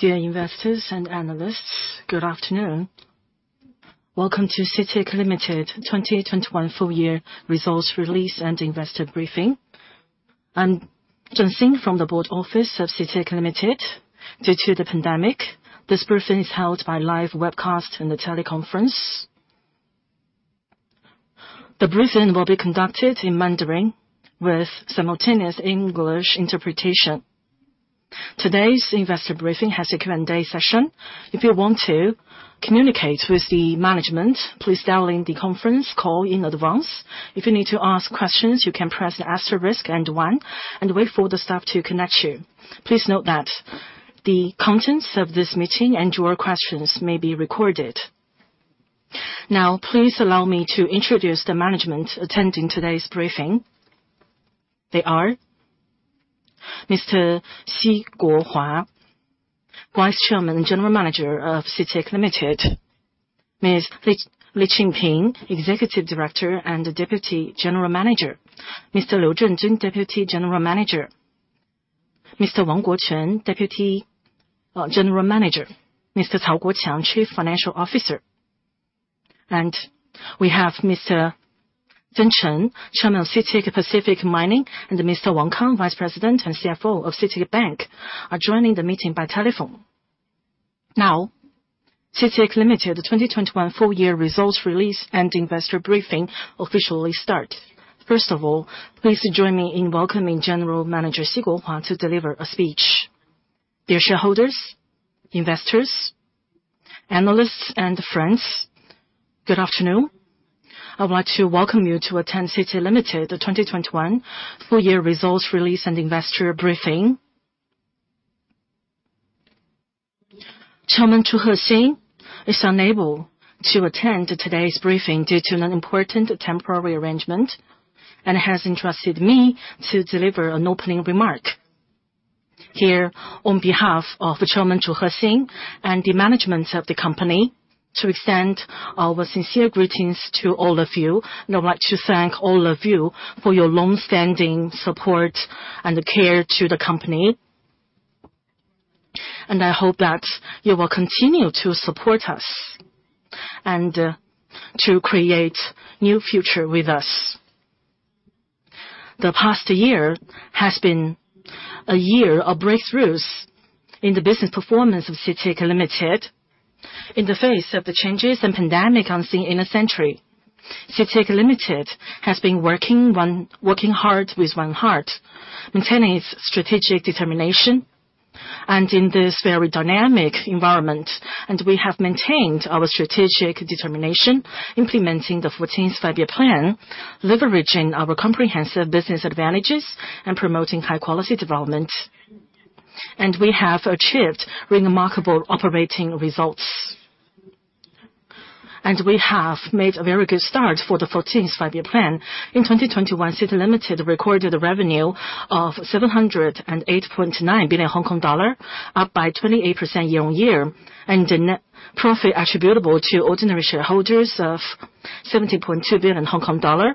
Dear investors and analysts, good afternoon. Welcome to CITIC Limited 2021 Full Year Results Release and Investor Briefing. I'm Zhen Xin from the board office of CITIC Limited. Due to the pandemic, this briefing is held by live webcast and a teleconference. The briefing will be conducted in Mandarin with simultaneous English interpretation. Today's investor briefing has a Q&A session. If you want to communicate with the management, please dial in the conference call in advance. If you need to ask questions, you can press asterisk and one, and wait for the staff to connect you. Please note that the contents of this meeting and your questions may be recorded. Now, please allow me to introduce the management attending today's briefing. They are Mr. Xi Guohua, Vice Chairman and General Manager of CITIC Limited. Ms. Li Qingping, Executive Director and Deputy General Manager. Mr. Liu Zhengjun, Deputy General Manager. Mr. Wang Guoquan, Deputy General Manager. Mr. Cao Guoqiang, Chief Financial Officer. We have Mr. Chen Zeng, Chairman of CITIC Pacific Mining, and Mr. Wang Kang, Vice President and CFO of CITIC Bank, joining the meeting by telephone. CITIC Limited 2021 full year results release and investor briefing officially start. First of all, please join me in welcoming General Manager Xi Guohua to deliver a speech. Dear shareholders, investors, analysts, and friends, good afternoon. I want to welcome you to attend CITIC Limited 2021 full year results release and investor briefing. Chairman Zhu Hexin is unable to attend today's briefing due to an important temporary arrangement, and has entrusted me to deliver an opening remark. Here, on behalf of Chairman Zhu Hexin and the management of the company to extend our sincere greetings to all of you. I want to thank all of you for your long-standing support and care to the company. I hope that you will continue to support us, and to create new future with us. The past year has been a year of breakthroughs in the business performance of CITIC Limited. In the face of the changes and pandemic unseen in a century, CITIC Limited has been working hard with one heart, maintaining its strategic determination. In this very dynamic environment, and we have maintained our strategic determination, implementing the Fourteenth Five-Year Plan, leveraging our comprehensive business advantages, and promoting high quality development. We have achieved remarkable operating results. We have made a very good start for the Fourteenth Five-Year Plan. In 2021, CITIC Limited recorded a revenue of 708.9 billion Hong Kong dollar, up by 28% year-on-year, and a net profit attributable to ordinary shareholders of 17.2 billion Hong Kong dollar,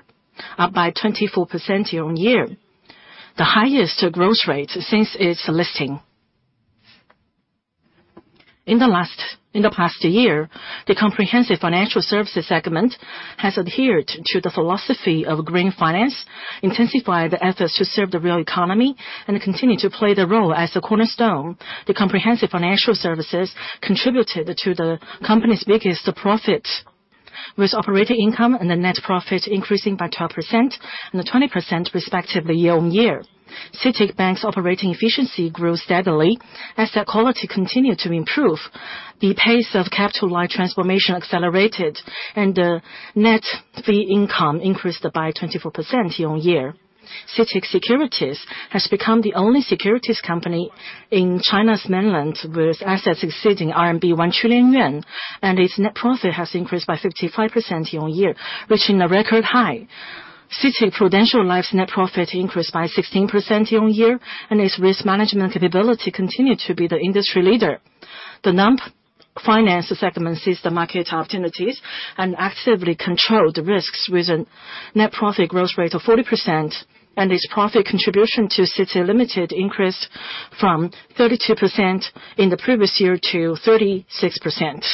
up by 24% year-on-year, the highest growth rate since its listing. In the past year, the comprehensive financial services segment has adhered to the philosophy of green finance, intensified the efforts to serve the real economy, and continued to play the role as the cornerstone. The comprehensive financial services contributed to the company's biggest profit, with operating income and the net profit increasing by 12% and 20% respectively year-on-year. CITIC Bank's operating efficiency grew steadily. As their quality continued to improve, the pace of capital-light transformation accelerated, and the net fee income increased by 24% year-on-year. CITIC Securities has become the only securities company in mainland China, with assets exceeding 1 trillion yuan, and its net profit has increased by 55% year-over-year, reaching a record high. CITIC-Prudential Life's net profit increased by 16% year-over-year, and its risk management ability continued to be the industry leader. The Non-Financial segment seized the market opportunities and actively controlled the risks with a net profit growth rate of 40%, and its profit contribution to CITIC Limited increased from 32% in the previous year to 36%.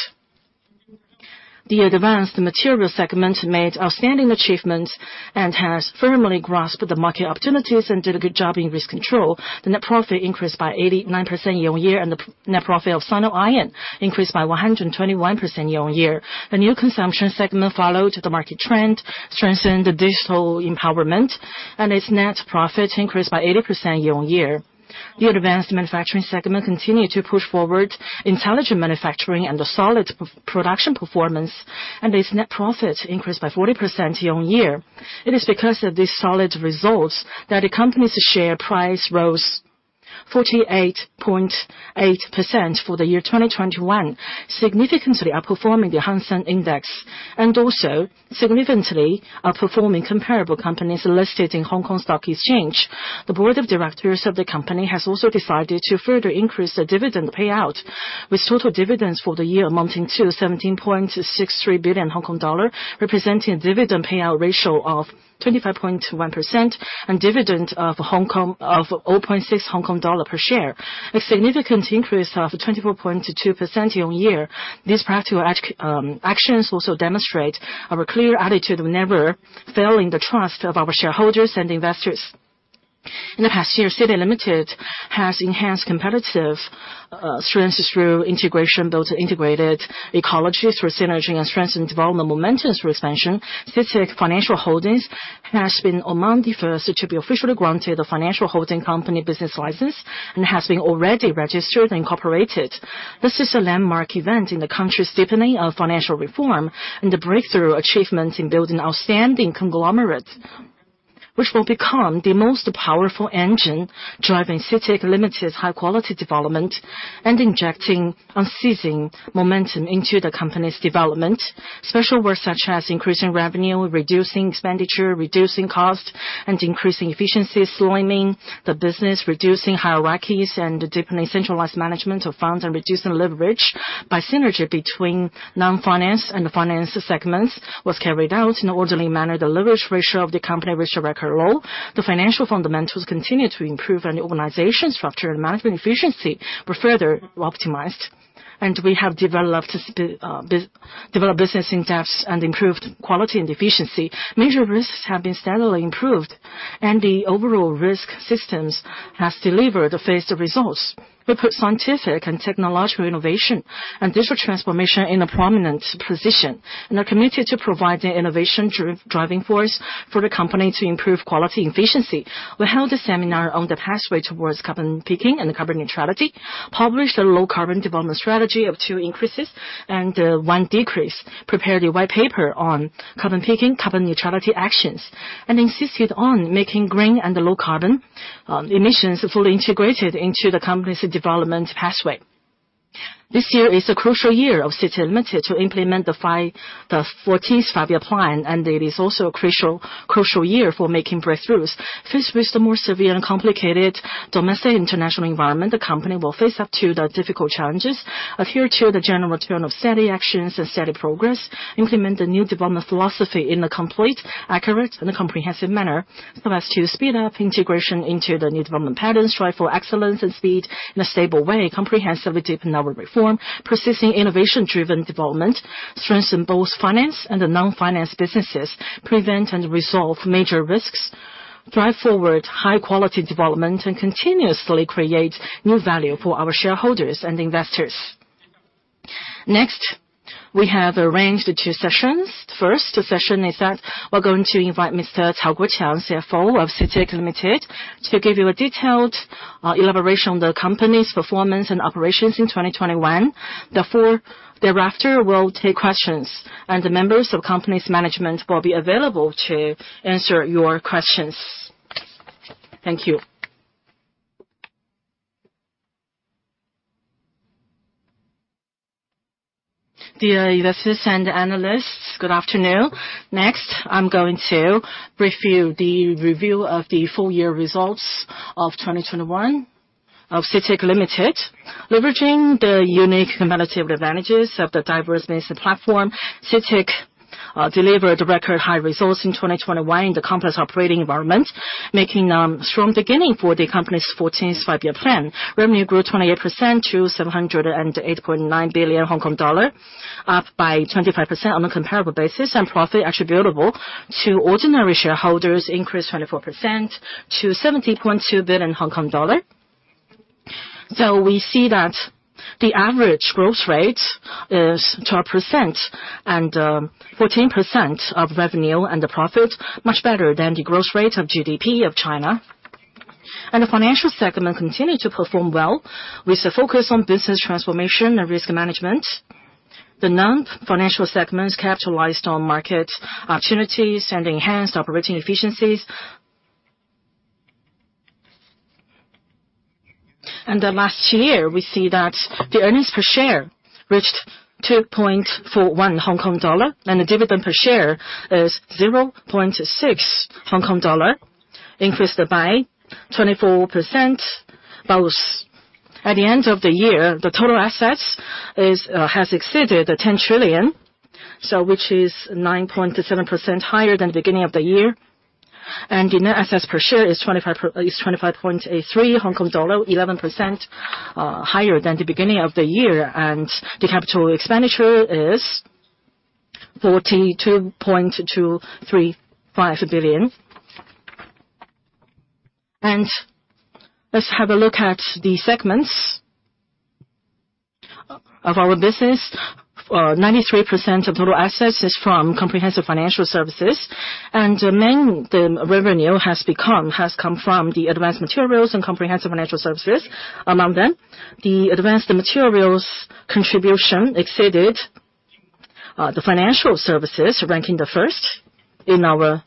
The Advanced Materials segment made outstanding achievements and has firmly grasped the market opportunities and did a good job in risk control. The net profit increased by 89% year-over-year, and the net profit of Sino Iron increased by 121% year-over-year. The New Consumption segment followed the market trend, strengthened the digital empowerment, and its net profit increased by 80% year-on-year. The Advanced Manufacturing segment continued to push forward intelligent manufacturing and a solid production performance, and its net profit increased by 40% year-on-year. It is because of these solid results that the company's share price rose 48.8% for the year 2021, significantly outperforming the Hang Seng Index, and also significantly outperforming comparable companies listed in Hong Kong Stock Exchange. The board of directors of the company has also decided to further increase the dividend payout. With total dividends for the year amounting to 17.63 billion Hong Kong dollar, representing dividend payout ratio of 25.1%, and dividend of Hong Kong... of 0.6 Hong Kong dollar per share, a significant increase of 24.2% year-on-year. These practical actions also demonstrate our clear attitude of never failing the trust of our shareholders and investors. In the past year, CITIC Limited has enhanced competitive strengths through integration, built integrated ecologies for synergy, and strengthened development momentums for expansion. CITIC Financial Holdings has been among the first to be officially granted a financial holding company business license, and has been already registered and incorporated. This is a landmark event in the country's deepening of financial reform, and a breakthrough achievement in building outstanding conglomerates, which will become the most powerful engine driving CITIC Limited's high-quality development and injecting unceasing momentum into the company's development. Special work such as increasing revenue, reducing expenditure, reducing cost, and increasing efficiency, slimming the business, reducing hierarchies, and deepening centralized management of funds and reducing leverage by synergy between Non-Financial and the financial segments was carried out in an orderly manner. The leverage ratio of the company reached a record low. The financial fundamentals continued to improve and the organization structure and management efficiency were further optimized. We have developed business in-depth and improved quality and efficiency. Major risks have been steadily improved, and the overall risk systems has delivered phased results. We put scientific and technological innovation and digital transformation in a prominent position, and are committed to provide the innovation-driving force for the company to improve quality and efficiency. We held a seminar on the pathway towards carbon peaking and carbon neutrality, published a low-carbon development strategy of two increases and one reduction, prepared a white paper on carbon peaking, carbon neutrality actions, and insisted on making green and low carbon emissions fully integrated into the company's development pathway. This year is a crucial year of CITIC Limited to implement the 14th Five-Year Plan, and it is also a crucial year for making breakthroughs. Faced with the more severe and complicated domestic and international environment, the company will face up to the difficult challenges, adhere to the general tone of steady actions and steady progress, implement the new development philosophy in a complete, accurate, and comprehensive manner, so as to speed up integration into the new development patterns, strive for excellence and speed in a stable way, comprehensively deepen our reform, persisting innovation-driven development, strengthen both finance and the non-financial businesses, prevent and resolve major risks, drive forward high-quality development, and continuously create new value for our shareholders and investors. Next, we have arranged two sessions. First session is that we're going to invite Mr. Cao Guoqiang, CFO of CITIC Limited, to give you a detailed elaboration on the company's performance and operations in 2021. Therefore, thereafter, we'll take questions, and the members of the company's management will be available to answer your questions. Thank you. Dear investors and analysts, good afternoon. Next, I'm going to brief you the review of the full-year results of 2021 of CITIC Limited. Leveraging the unique competitive advantages of the diverse business platform, CITIC delivered record high results in 2021 in the complex operating environment, making a strong beginning for the company's Fourteenth Five-Year Plan. Revenue grew 28% to 708.9 billion Hong Kong dollar, up 25% on a comparable basis, and profit attributable to ordinary shareholders increased 24% to 70.2 billion Hong Kong dollar. We see that the average growth rate is 12% and 14% of revenue and the profit, much better than the growth rate of GDP of China. The financial segment continued to perform well with a focus on business transformation and risk management. The Non-Financial segments capitalized on market opportunities and enhanced operating efficiencies. The last year, we see that the earnings per share reached HKD 2.41, and the dividend per share is 0.6 Hong Kong dollar, increased by 24%. At the end of the year, the total assets has exceeded 10 trillion, which is 9.7% higher than the beginning of the year. The net assets per share is 25.83 Hong Kong dollar, 11% higher than the beginning of the year. The capital expenditure is RMB 42.235 billion. Let's have a look at the segments of our business. 93% of total assets is from comprehensive financial services. Mainly, the revenue has come from the advanced materials and comprehensive financial services. Among them, the advanced materials contribution exceeded the financial services, ranking the first in our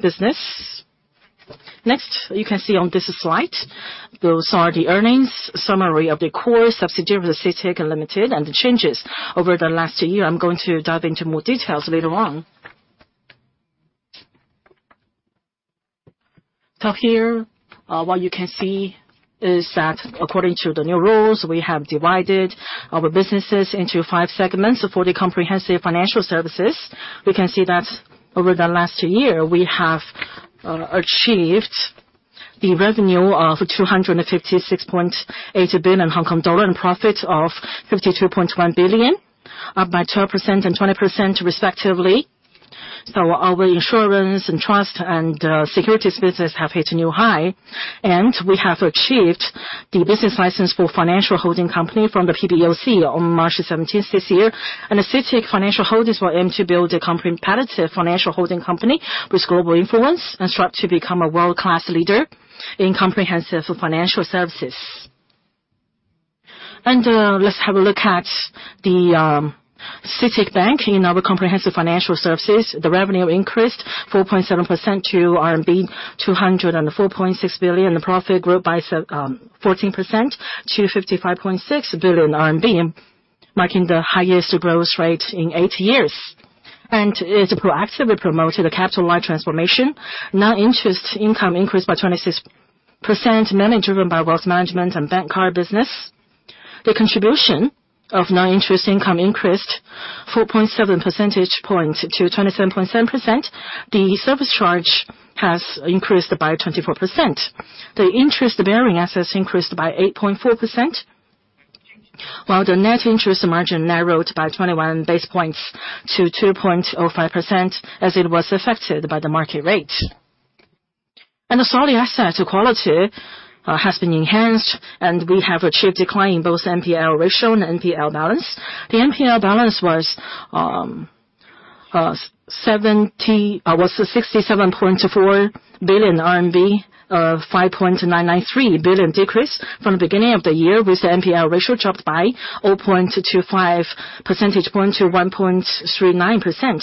business. Next, you can see on this slide, those are the earnings summary of the core subsidiary of CITIC Limited and the changes over the last year. I'm going to dive into more details later on. Here, what you can see is that according to the new rules, we have divided our businesses into five segments for the comprehensive financial services. We can see that over the last year, we have achieved the revenue of 256.8 billion Hong Kong dollar and profit of 52.1 billion, up by 12% and 20% respectively. Our insurance and trust and securities business have hit a new high, and we have achieved the business license for financial holding company from the PBOC on March 17 this year. CITIC Financial Holdings will aim to build a competitive financial holding company with global influence and strive to become a world-class leader in comprehensive financial services. Let's have a look at the CITIC Bank in our comprehensive financial services. The revenue increased 4.7% to RMB 204.6 billion. The profit grew by 14% to 55.6 billion RMB, marking the highest growth rate in eight years. It proactively promoted a capital-light transformation. Non-interest income increased by 26%, mainly driven by wealth management and bank card business. The contribution of non-interest income increased 4.7 percentage points to 27.7%. The service charge has increased by 24%. The interest-bearing assets increased by 8.4%, while the net interest margin narrowed by 21 base points to 2.05% as it was affected by the market rate. The sound asset quality has been enhanced, and we have achieved decline in both NPL ratio and NPL balance. The NPL balance was 67.4 billion RMB, 5.993 billion RMB decrease from the beginning of the year with the NPL ratio dropped by 0.25 percentage point to 1.39%.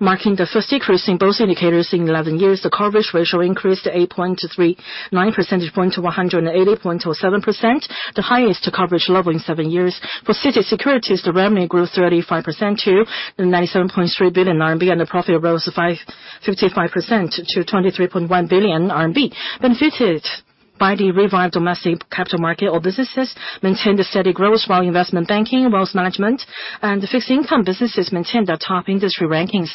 Marking the first decrease in both indicators in 11 years, the coverage ratio increased by 8.39 percentage points to 180.07%, the highest coverage level in 7 years. For CITIC Securities, the revenue grew 35% to 97.3 billion RMB, and the profit rose 55% to 23.1 billion RMB. Benefited by the revived domestic capital market, all businesses maintained a steady growth while investment banking, wealth management, and fixed income businesses maintained their top industry rankings.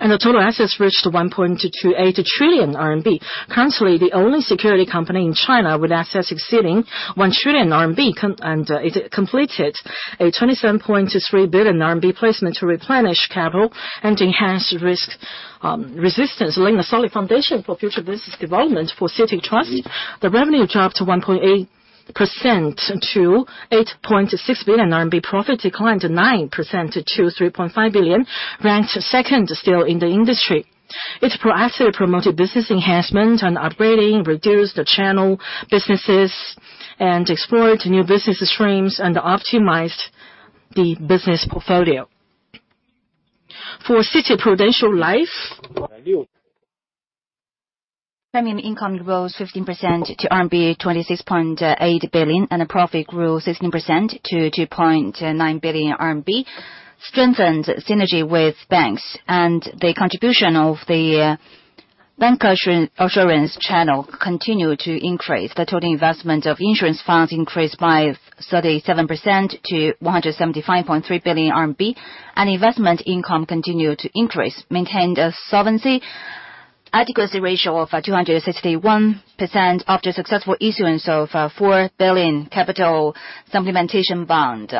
The total assets reached 1.228 trillion RMB, currently the only securities company in China with assets exceeding 1 trillion RMB, and it completed a 27.3 billion RMB placement to replenish capital and enhance risk resistance, laying a solid foundation for future business development. For CITIC Trust, the revenue dropped 1.8% to 8.6 billion. Profit declined 9% to 3.5 billion, ranked second still in the industry. It proactively promoted business enhancement and upgrading, reduced the channel businesses and explored new business streams and optimized the business portfolio. For CITIC-Prudential Life. Premium income rose 15% to RMB 26.8 billion, and the profit grew 16% to 2.9 billion RMB, strengthened synergy with banks. The contribution of the bank assurance channel continued to increase. The total investment of insurance funds increased by 37% to 175.3 billion RMB, and investment income continued to increase, maintained a solvency adequacy ratio of 261% after successful issuance of 4 billion capital supplementation bond.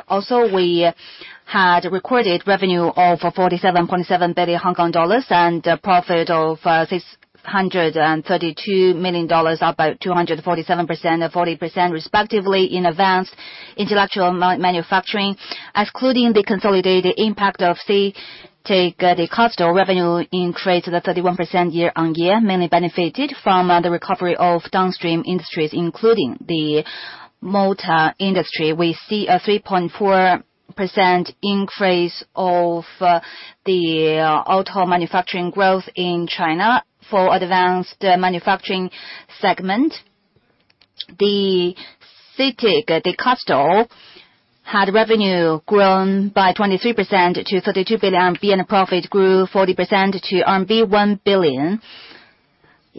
We had recorded revenue of 47.7 billion Hong Kong dollars and a profit of 632 million dollars, up by 247% and 40% respectively in advanced intelligent manufacturing. Excluding the consolidated impact of CITIC Dicastal revenue increased 31% year-on-year, mainly benefited from the recovery of downstream industries, including the motor industry. We see a 3.4% increase of the auto manufacturing growth in China for advanced manufacturing segment. CITIC Dicastal had revenue grown by 23% to 32 billion RMB, and profit grew 40% to RMB 1 billion.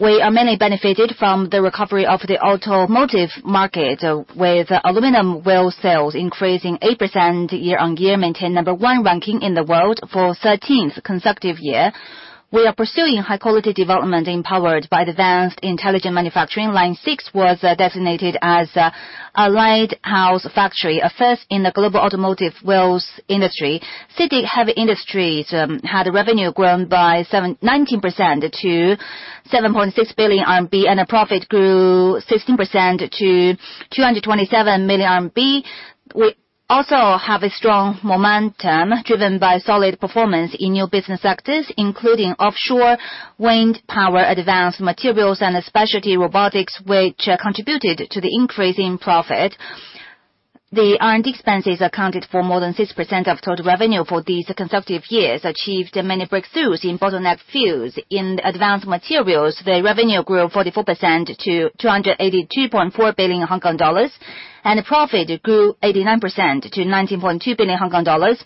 We are mainly benefited from the recovery of the automotive market, with aluminum wheel sales increasing 8% year-on-year, maintained number one ranking in the world for 13th consecutive year. We are pursuing high quality development empowered by advanced intelligent manufacturing. Line 6 was designated as a Lighthouse Factory, a first in the global automotive wheels industry. CITIC Heavy Industries had revenue grown by 79% to 7.6 billion RMB, and a profit grew 16% to 227 million RMB. We also have a strong momentum driven by solid performance in new business sectors, including offshore wind power, advanced materials, and specialty robotics, which contributed to the increase in profit. The R&D expenses accounted for more than 6% of total revenue for these consecutive years and achieved many breakthroughs in bottleneck fields. In advanced materials, the revenue grew 44% to 282.4 billion Hong Kong dollars, and the profit grew 89% to 19.2 billion Hong Kong dollars.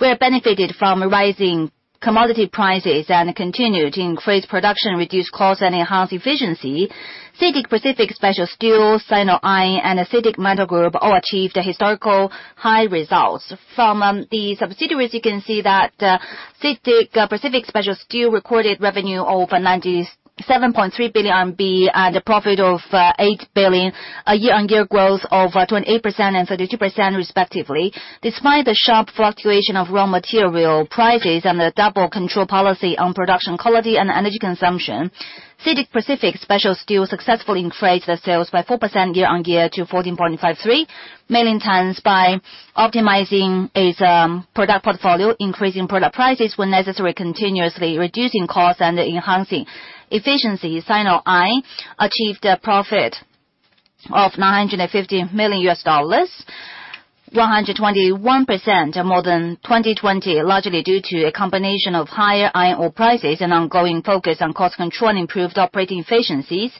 We benefited from rising commodity prices and continued increased production, reduced cost and enhanced efficiency. CITIC Pacific Special Steel, Sino Iron, and CITIC Metal Group all achieved historically high results. From the subsidiaries, you can see that CITIC Pacific Special Steel recorded revenue over 97.3 billion RMB, and a profit of 8 billion, a year-on-year growth of 28% and 32% respectively. Despite the sharp fluctuation of raw material prices and the dual control policy on production quality and energy consumption, CITIC Pacific Special Steel successfully increased the sales by 4% year-on-year to 14.53 million tons by optimizing its product portfolio, increasing product prices when necessary, continuously reducing costs and enhancing efficiency. Sino Iron achieved a profit of $950 million, 121% more than 2020, largely due to a combination of higher iron ore prices and ongoing focus on cost control and improved operating efficiencies.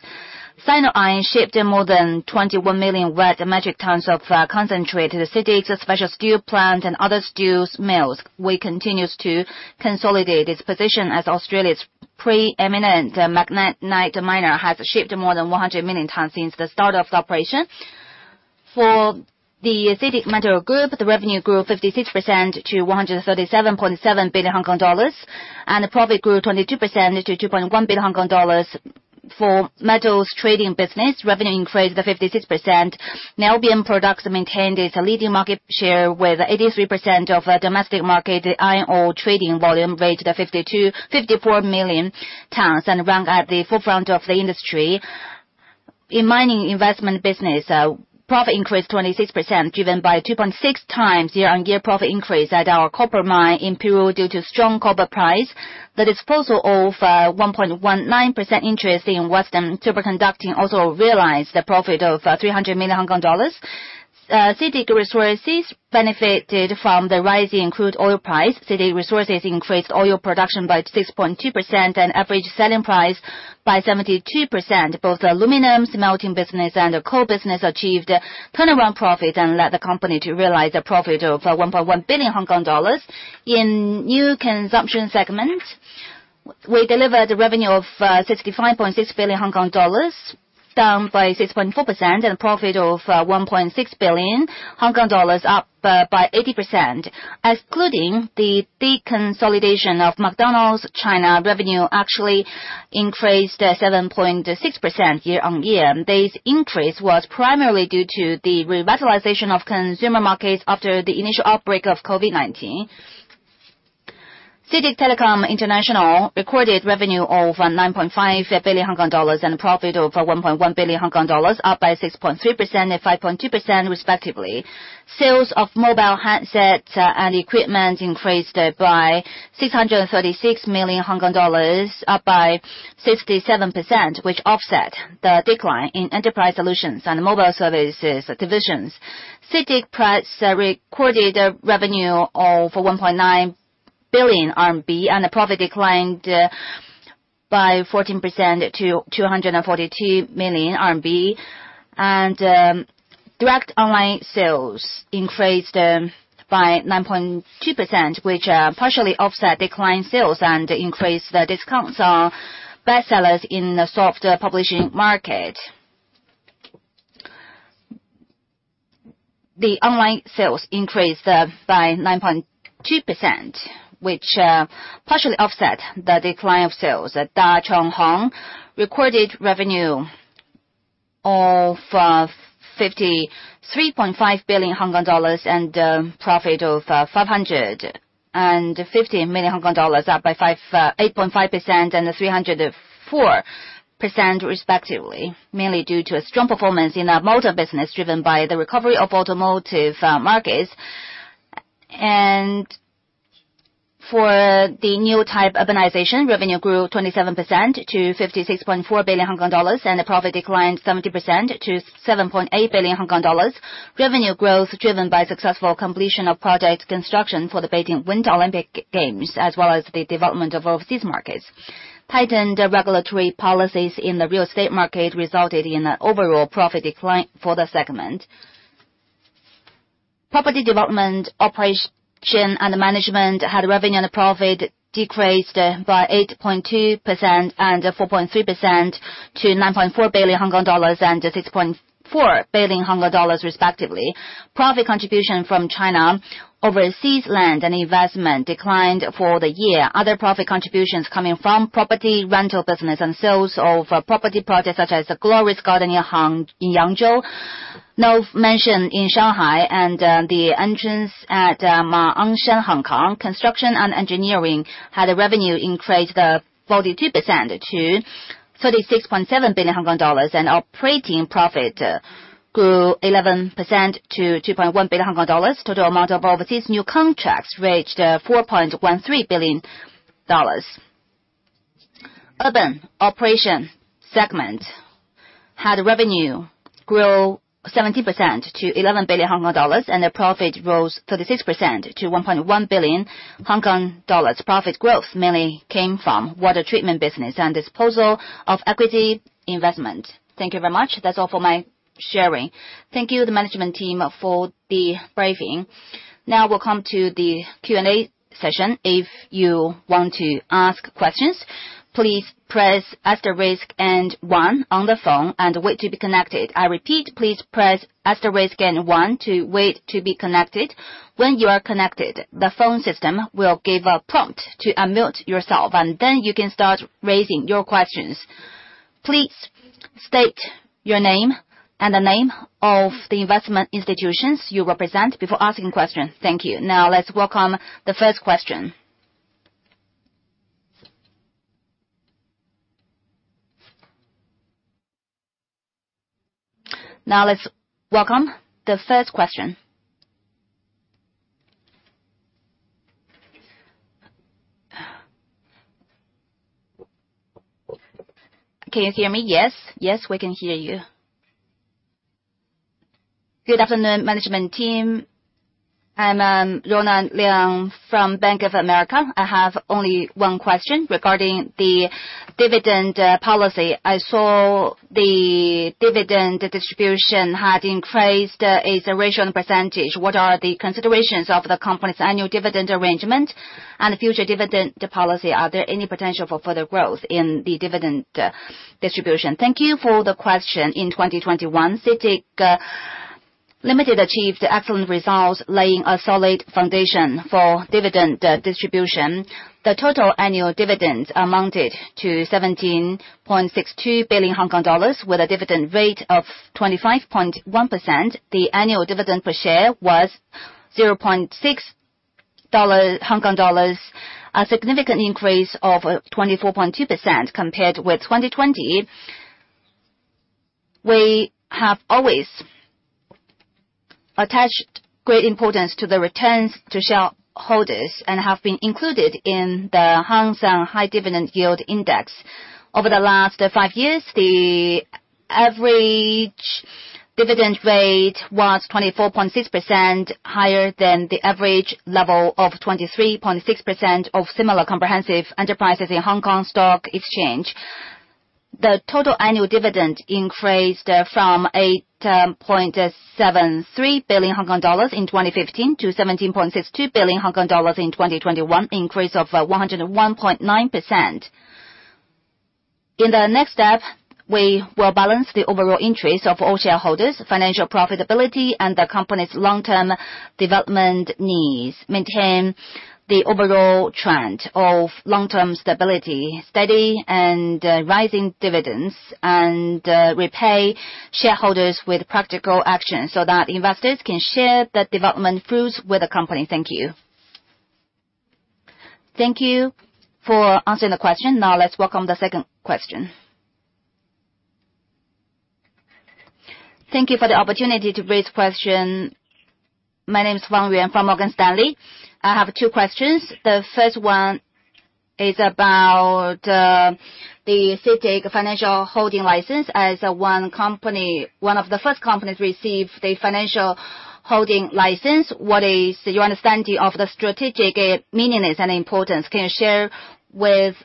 Sino Iron shipped more than 21 million wet metric tonnes of concentrate to the CITIC Pacific Special Steel and other steel mills. It continues to consolidate its position as Australia's pre-eminent magnetite miner and has shipped more than 100 million tonnes since the start of operation. For the CITIC Metal Group, the revenue grew 56% to 137.7 billion Hong Kong dollars, and the profit grew 22% to 2.1 billion Hong Kong dollars. For metals trading business, revenue increased by 56%. Niobium Products maintained its leading market share with 83% of the domestic market. Iron ore trading volume reached 54 million tons and ranked at the forefront of the industry. In mining investment business, profit increased 26%, driven by 2.6 times year-on-year profit increase at our copper mine in Peru due to strong copper price. The disposal of 1.19% interest in Western Superconducting Technologies also realized a profit of HKD 300 million. CITIC Resources benefited from the rising crude oil price. CITIC Resources increased oil production by 6.2%, and average selling price by 72%. Both aluminum smelting business and the coal business achieved turnaround profit and led the company to realize a profit of 1.1 billion Hong Kong dollars. In New Consumption segment, we delivered a revenue of 65.6 billion Hong Kong dollars, down by 6.4%, and a profit of 1.6 billion Hong Kong dollars, up by 80%. Excluding the deconsolidation of McDonald's China, revenue actually increased 7.6% year-on-year. This increase was primarily due to the revitalization of consumer markets after the initial outbreak of COVID-19. CITIC Telecom International recorded revenue of 9.5 billion Hong Kong dollars, and a profit of 1.1 billion Hong Kong dollars, up by 6.3% and 5.2% respectively. Sales of mobile handsets and equipment increased by 636 million Hong Kong dollars, up by 67%, which offset the decline in enterprise solutions and mobile services divisions. CITIC Press recorded a revenue of 1.9 billion RMB, and the profit declined by 14% to 242 million RMB. Direct online sales increased by 9.2%, which partially offset declined sales and increased the discounts on bestsellers in the soft publishing market. Online sales increased by 9.2%, which partially offset the decline of sales. At Dah Chong Hong, recorded revenue of 53.5 billion Hong Kong dollars, and profit of 550 million Hong Kong dollars, up by 58.5% and 304% respectively, mainly due to a strong performance in our motor business, driven by the recovery of automotive markets. For the new type urbanization, revenue grew 27% to 56.4 billion Hong Kong dollars, and the profit declined 70% to 7.8 billion Hong Kong dollars. Revenue growth driven by successful completion of project construction for the Beijing Winter Olympic Games, as well as the development of overseas markets. Tightened regulatory policies in the real estate market resulted in an overall profit decline for the segment. Property development operation and management had revenue and profit decreased by 8.2% and 4.3% to 9.4 billion Hong Kong dollars and 6.4 billion Hong Kong dollars respectively. Profit contribution from China Overseas Land and Investment declined for the year. Other profit contributions coming from property rental business and sales of property projects such as the Glorious Garden in Yangzhou, Nove Mansion in Shanghai, and The Entrance at Ma On Shan, Hong Kong. Construction and engineering had revenue increased 42% to 36.7 billion Hong Kong dollars, and operating profit grew 11% to 2.1 billion Hong Kong dollars. Total amount of overseas new contracts reached 4.13 billion dollars. Urban operation segment had revenue grow 17% to 11 billion Hong Kong dollars, and the profit rose 36% to 1.1 billion Hong Kong dollars. Profit growth mainly came from water treatment business and disposal of equity investment. Thank you very much. That's all for my sharing. Thank you, the management team, for the briefing. Now we'll come to the Q&A session. Now let's welcome the first question. Can you hear me? Yes. Yes, we can hear you. Good afternoon, management team. I'm Rona Liang from Bank of America. I have only one question regarding the dividend policy. I saw the dividend distribution had increased its original percentage. What are the considerations of the company's annual dividend arrangement and future dividend policy? Is there any potential for further growth in the dividend distribution? Thank you for the question. In 2021, CITIC Limited achieved excellent results, laying a solid foundation for dividend distribution. The total annual dividends amounted to 17.62 billion Hong Kong dollars with a dividend rate of 25.1%. The annual dividend per share was 0.6 dollars, a significant increase of 24.2% compared with 2020. We have always attached great importance to the returns to shareholders and have been included in the Hang Seng High Dividend Yield Index. Over the last 5 years, the average dividend rate was 24.6% higher than the average level of 23.6% of similar comprehensive enterprises in Hong Kong Stock Exchange. The total annual dividend increased from 8.73 billion Hong Kong dollars in 2015 to 17.62 billion Hong Kong dollars in 2021, increase of 101.9%. In the next step, we will balance the overall interest of all shareholders, financial profitability, and the company's long-term development needs, maintain the overall trend of long-term stability, steady and rising dividends, and repay shareholders with practical action so that investors can share the development fruits with the company. Thank you. Thank you for answering the question. Now let's welcome the second question. Thank you for the opportunity to raise question. My name is Wang Wei from Morgan Stanley. I have two questions. The first one is about the CITIC Financial Holdings license. As one of the first companies to receive the Financial Holding license, what is your understanding of the strategic meanings and importance? Can you share with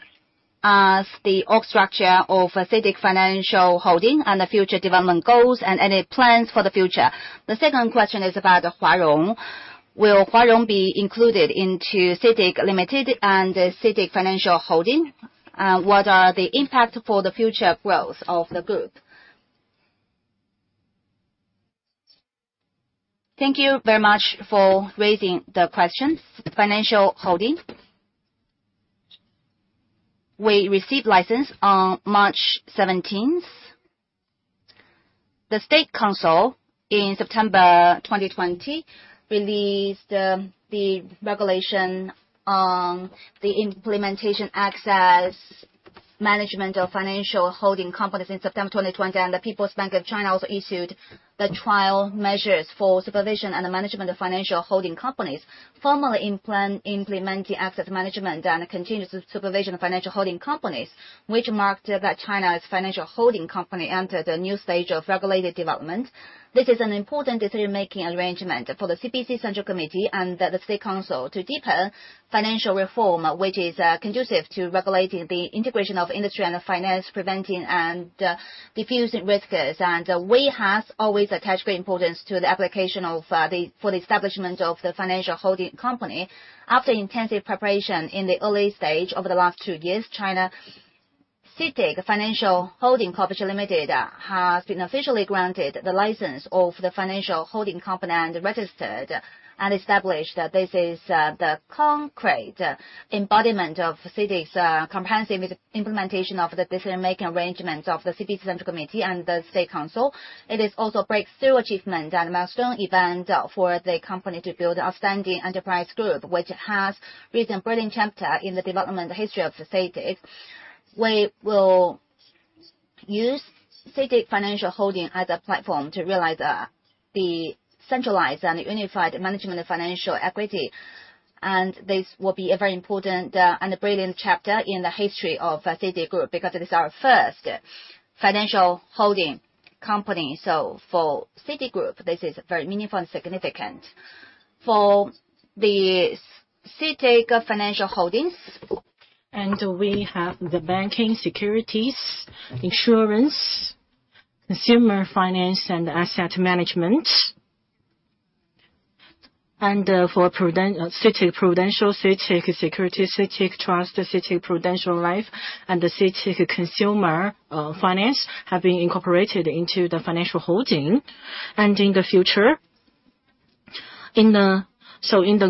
us the org structure of CITIC Financial Holdings and the future development goals and any plans for the future? The second question is about China Huarong. Will China Huarong be included into CITIC Limited and CITIC Financial Holdings? What are the impact for the future growth of the group? Thank you very much for raising the questions. Financial Holding, we received license on March 17. The State Council in September 2020 released the regulation on the implementation of access management of financial holding companies in September 2020, and the People's Bank of China also issued the trial measures for the supervision and administration of financial holding companies, formally implementing asset management and continuous supervision of financial holding companies, which marked that China's financial holding company entered a new stage of regulated development. This is an important decision-making arrangement for the CPC Central Committee and the State Council to deepen financial reform, which is conducive to regulating the integration of industry and finance, preventing and defusing risks. We have always attached great importance to the application for the establishment of the financial holding company. After intensive preparation in the early stage over the last two years, China CITIC Financial Holdings Co., Ltd. has been officially granted the license of the financial holding company and registered and established. This is the concrete embodiment of CITIC's comprehensive implementation of the decision-making arrangements of the CPC Central Committee and the State Council. It is also a breakthrough achievement and a milestone event for the company to build outstanding enterprise group, which has written a brilliant chapter in the development history of CITIC. We will use CITIC Financial Holdings as a platform to realize the centralized and unified management of financial equity, and this will be a very important and a brilliant chapter in the history of CITIC Group because it is our first financial holding. Company. For CITIC Group, this is very meaningful and significant. For the CITIC Financial Holdings, we have the banking, securities, insurance, consumer finance and asset management. For Prudential, CITIC-Prudential, CITIC Securities, CITIC Trust, CITIC-Prudential Life, and the CITIC Consumer Finance have been incorporated into the financial holding. In the future, in the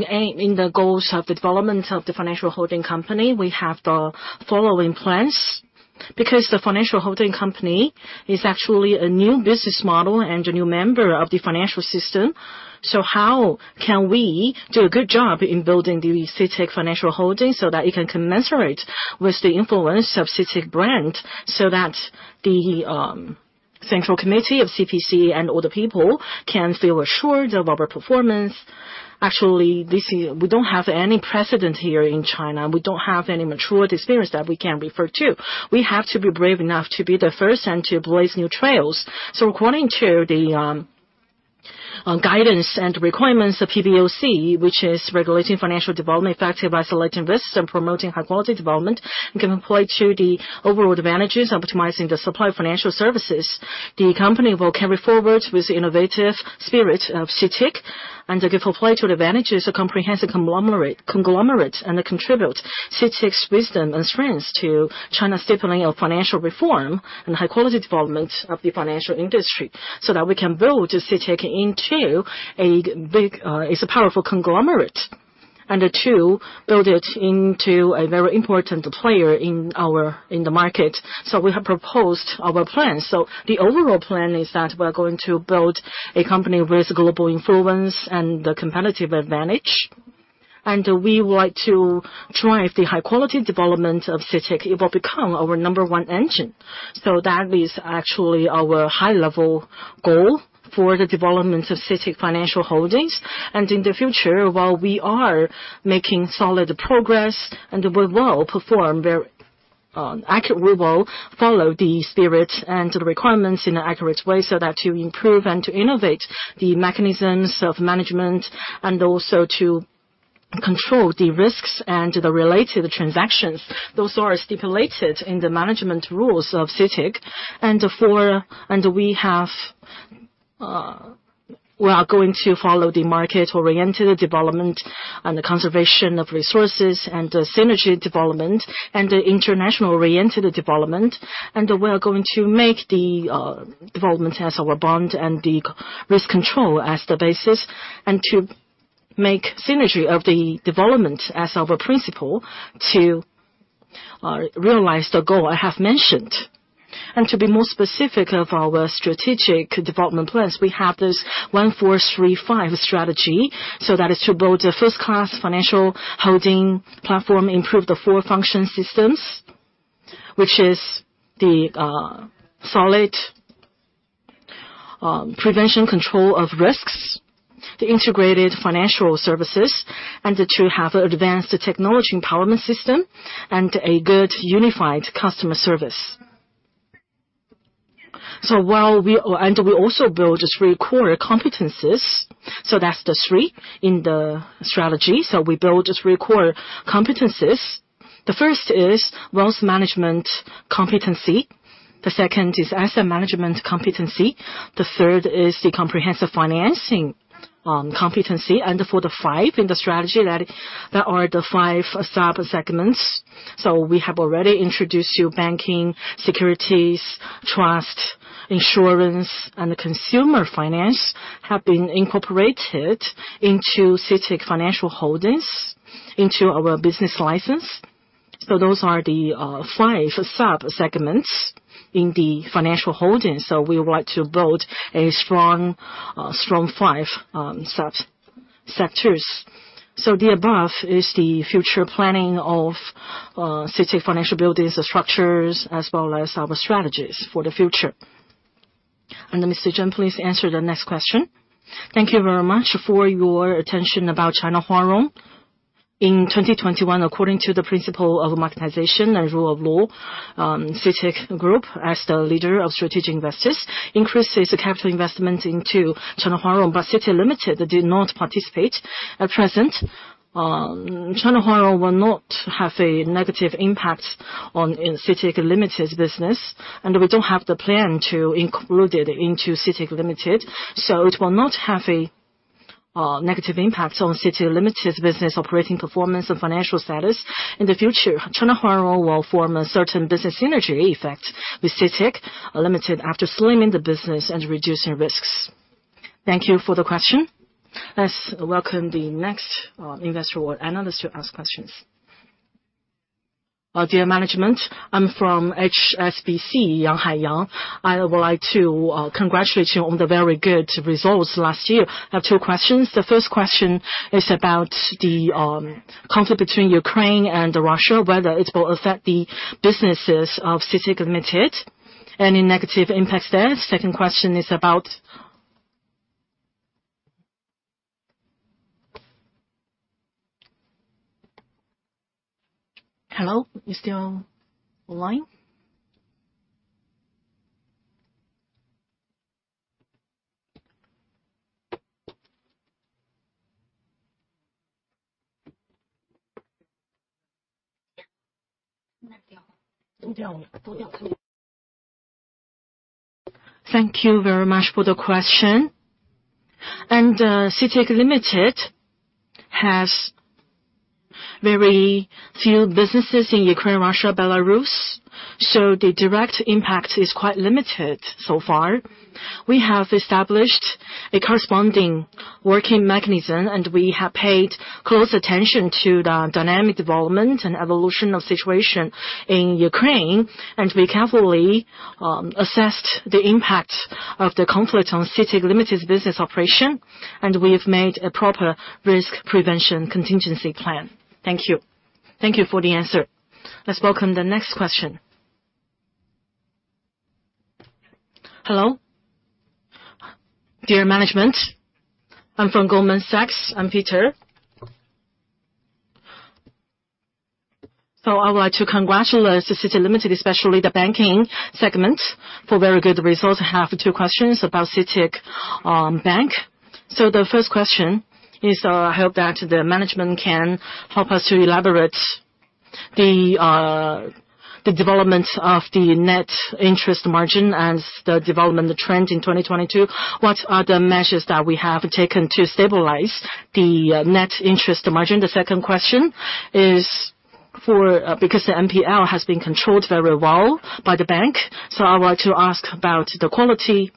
aim, in the goals of the development of the financial holding company, we have the following plans. Because the financial holding company is actually a new business model and a new member of the financial system, how can we do a good job in building the CITIC Financial Holdings so that it can commensurate with the influence of CITIC brand, so that the CPC Central Committee and all the people can feel assured about our performance? We don't have any precedent here in China. We don't have any mature experience that we can refer to. We have to be brave enough to be the first and to blaze new trails. According to the guidance and requirements of PBOC, which is regulating financial development effectively by controlling risks and promoting high-quality development, we can leverage the overall advantages in optimizing the supply of financial services. The company will carry forward the innovative spirit of CITIC, and it will play to the advantages of comprehensive conglomerate and contribute CITIC's wisdom and strengths to China's deepening of financial reform and high-quality development of the financial industry, so that we can build CITIC into a big, powerful conglomerate and a very important player in the market. We have proposed our plan. The overall plan is that we are going to build a company with global influence and a competitive advantage. We would like to drive the high-quality development of CITIC. It will become our number one engine. That is actually our high-level goal for the development of CITIC Financial Holdings. In the future, while we are making solid progress, we will follow the spirit and the requirements in an accurate way so that to improve and to innovate the mechanisms of management and also to control the risks and the related transactions. Those are stipulated in the management rules of CITIC. We are going to follow the market-oriented development and the conservation of resources and the synergy development and the international-oriented development. We are going to make the development as our bond and the risk control as the basis, and to make synergy of the development as our principle to realize the goal I have mentioned. To be more specific of our strategic development plans, we have this one-four-three-five strategy. That is to build a first-class financial holding platform, improve the four function systems, which is the solid prevention control of risks, the integrated financial services, and to have advanced technology empowerment system and a good unified customer service. We also build these three core competencies, so that's the three in the strategy. The first is wealth management competency. The second is asset management competency. The third is the comprehensive financing competency. For the 5-in-1 strategy, there are the five sub-segments. We have already introduced you banking, securities, trust, insurance, and consumer finance have been incorporated into CITIC Financial Holdings, into our business license. Those are the five sub-segments in the financial holdings. We would like to build a strong five sub-sectors. The above is the future planning of CITIC Financial Holdings structures, as well as our strategies for the future. Mr. Chen, please answer the next question. Thank you very much for your attention about China Huarong. In 2021, according to the principle of marketization and rule of law, CITIC Group, as the leader of strategic investors, increased its capital investment into China Huarong, but CITIC Limited did not participate. At present, China Huarong will not have a negative impact on in CITIC Limited's business, and we don't have the plan to include it into CITIC Limited. It will not have a negative impact on CITIC Limited's business operating performance and financial status. In the future, China Huarong will form a certain business synergy effect with CITIC Limited after slimming the business and reducing risks. Thank you for the question. Let's welcome the next investor or analyst to ask questions. Dear management, I'm from HSBC, Yang Haiyang. I would like to congratulate you on the very good results last year. I have two questions. The first question is about the conflict between Ukraine and Russia, whether it will affect the businesses of CITIC Limited. Any negative impacts there? Second question is about. [inaudible] Thank you very much for the question. CITIC Limited has very few businesses in Ukraine, Russia, Belarus, so the direct impact is quite limited so far. We have established a corresponding working mechanism, and we have paid close attention to the dynamic development and evolution of situation in Ukraine. We carefully assessed the impact of the conflict on CITIC Limited's business operation, and we've made a proper risk prevention contingency plan. Thank you. Thank you for the answer. Let's welcome the next question. Hello. Dear management, I'm from Goldman Sachs. I'm Peter. I would like to congratulate CITIC Limited, especially the banking segment, for very good results. I have two questions about CITIC Bank. The first question is, I hope that the management can help us to elaborate the development of the net interest margin and the development, the trend in 2022. What are the measures that we have taken to stabilize the net interest margin? The second question is for, because the NPL has been controlled very well by the bank. I would like to ask about the quality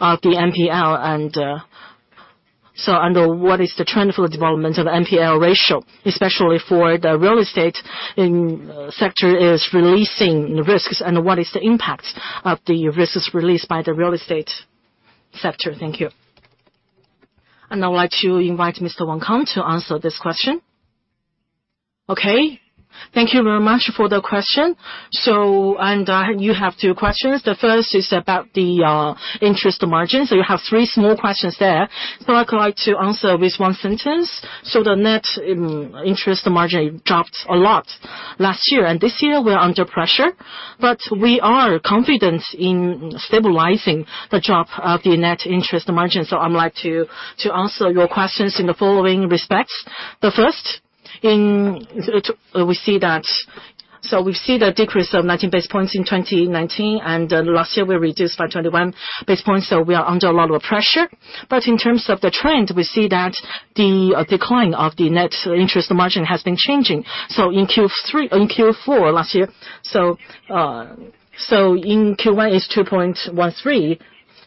of the NPL and what is the trend for the development of NPL ratio, especially for the real estate sector is releasing risks, and what is the impact of the risks released by the real estate sector? Thank you. I'd like to invite Mr. Wang Kang to answer this question. Okay. Thank you very much for the question. You have two questions. The first is about the interest margin, so you have three small questions there. But I'd like to answer with one sentence. The net interest margin dropped a lot last year, and this year we're under pressure. We are confident in stabilizing the drop of the net interest margin. I'd like to answer your questions in the following respects. The first. We see the decrease of 90 basis points in 2019, and last year we reduced by 21 basis points, so we are under a lot of pressure. In terms of the trend, we see that the decline of the net interest margin has been changing. In Q4 last year, in Q1 it's 2.13%,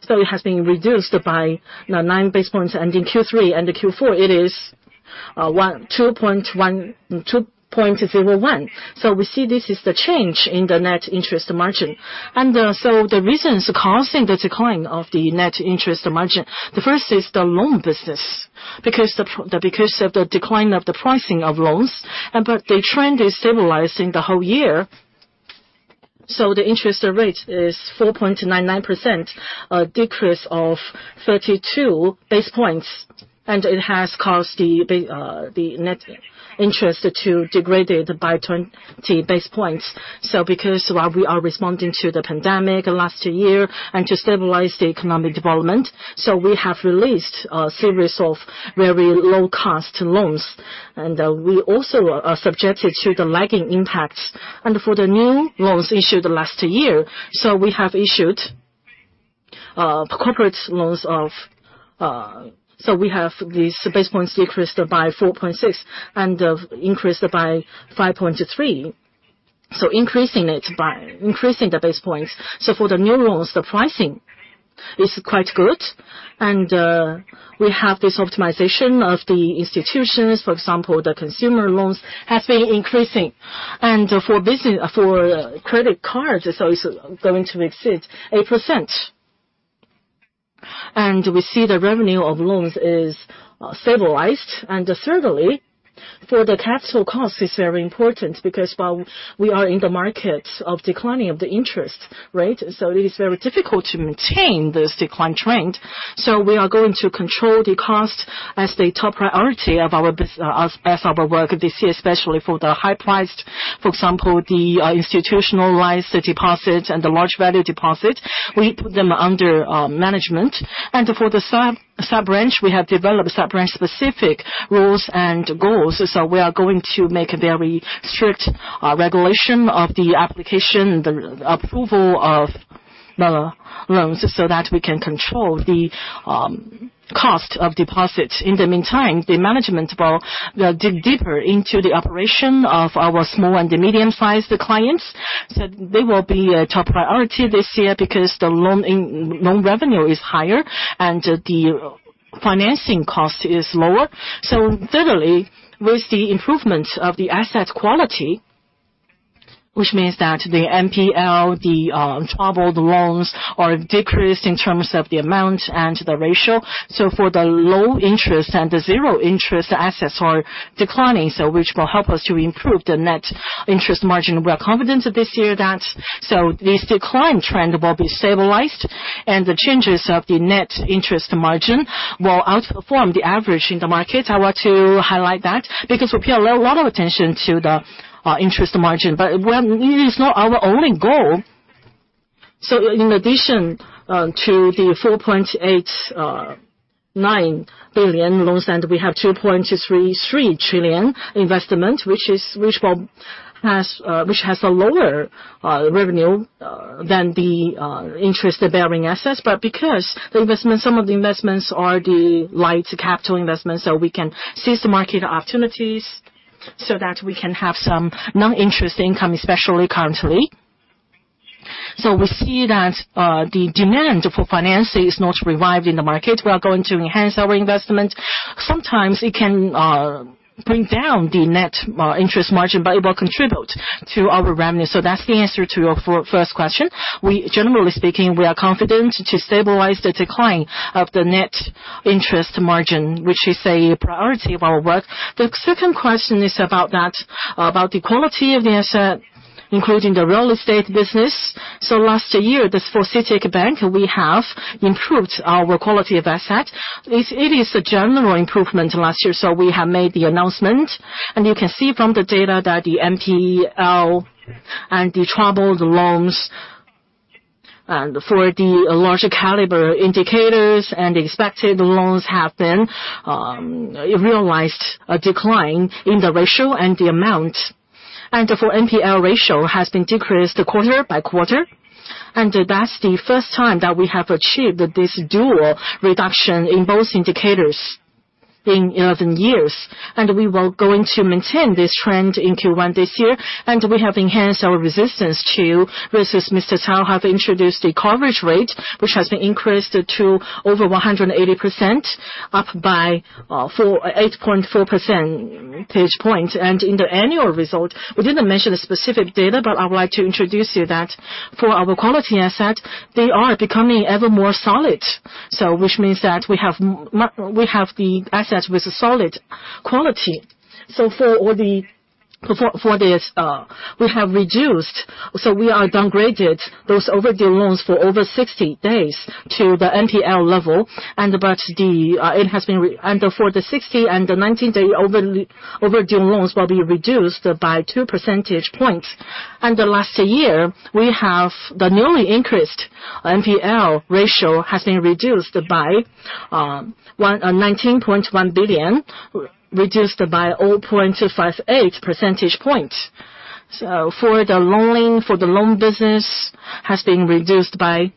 so it has been reduced by 9 basis points. In Q3 and Q4 it is 2.01%. We see this is the change in the net interest margin. The reasons causing the decline of the net interest margin, the first is the loan business because of the decline of the pricing of loans, and but the trend is stabilizing the whole year. The interest rate is 4.99%, a decrease of 32 basis points, and it has caused the net interest to degrade it by 20 basis points. Because while we are responding to the pandemic last year and to stabilize the economic development, we have released a series of very low-cost loans. We also are subjected to the lagging impacts. For the new loans issued last year, we have issued corporate loans of... We have this basis points decreased by 4.6 and increased by 5.3. Increasing it by increasing the basis points. For the new loans, the pricing is quite good. We have this optimization of the institutions. For example, the consumer loans have been increasing. For credit cards, so it's going to exceed 8%. We see the revenue of loans is stabilized. Thirdly, for the tax or cost is very important because while we are in the market of declining of the interest rate, so it is very difficult to maintain this decline trend. We are going to control the cost as the top priority of our work this year, especially for the high priced. For example, the institutionalized deposits and the large value deposit, we put them under management. For the sub-branch, we have developed sub-branch specific rules and goals. We are going to make a very strict regulation of the application, the approval of the loans, so that we can control the cost of deposits. In the meantime, the management will dig deeper into the operation of our small and the medium-sized clients. They will be a top priority this year because the loan revenue is higher and the financing cost is lower. Thirdly, with the improvement of the asset quality, which means that the NPL, the troubled loans are decreased in terms of the amount and the ratio. For the low interest and the zero interest assets are declining, which will help us to improve the net interest margin. We're confident this year that this decline trend will be stabilized. The changes of the net interest margin will outperform the average in the market. I want to highlight that because we pay a lot of attention to the interest margin. But it is not our only goal. In addition to the 4.89 billion loans, we have 2.33 trillion investment, which has a lower revenue than the interest-bearing assets. But because some of the investments are the capital-light investments, we can seize the market opportunities so that we can have some non-interest income, especially currently. We see that the demand for financing is not revived in the market. We are going to enhance our investment. Sometimes it can bring down the net interest margin, but it will contribute to our revenue. That's the answer to your first question. Generally speaking, we are confident to stabilize the decline of the net interest margin, which is a priority of our work. The second question is about that, about the asset quality, including the real estate business. Last year, for CITIC Bank, we have improved our asset quality. It is a general improvement last year, so we have made the announcement. You can see from the data that the NPL and the troubled loans, and for the larger caliber indicators and expected loans have been realized a decline in the ratio and the amount. The NPL ratio has been decreased quarter by quarter. That's the first time that we have achieved this dual reduction in both indicators in years. We are going to maintain this trend in Q1 this year, and we have enhanced our resistance to as Mr. Cao Guoqiang has introduced a coverage rate which has been increased to over 180%, up by 8.4 percentage points. In the annual result, we didn't mention the specific data, but I would like to introduce to you that our asset quality is becoming ever more solid. Which means that we have the assets with solid quality. For this, we have reduced. We have downgraded those overdue loans for over 60 days to the NPL level. For the 60- and 19-day overdue loans will be reduced by 2 percentage points. Last year, the newly increased NPL ratio has been reduced by 19.1 billion, reduced by 0.58 percentage point. For the loan business has been reduced by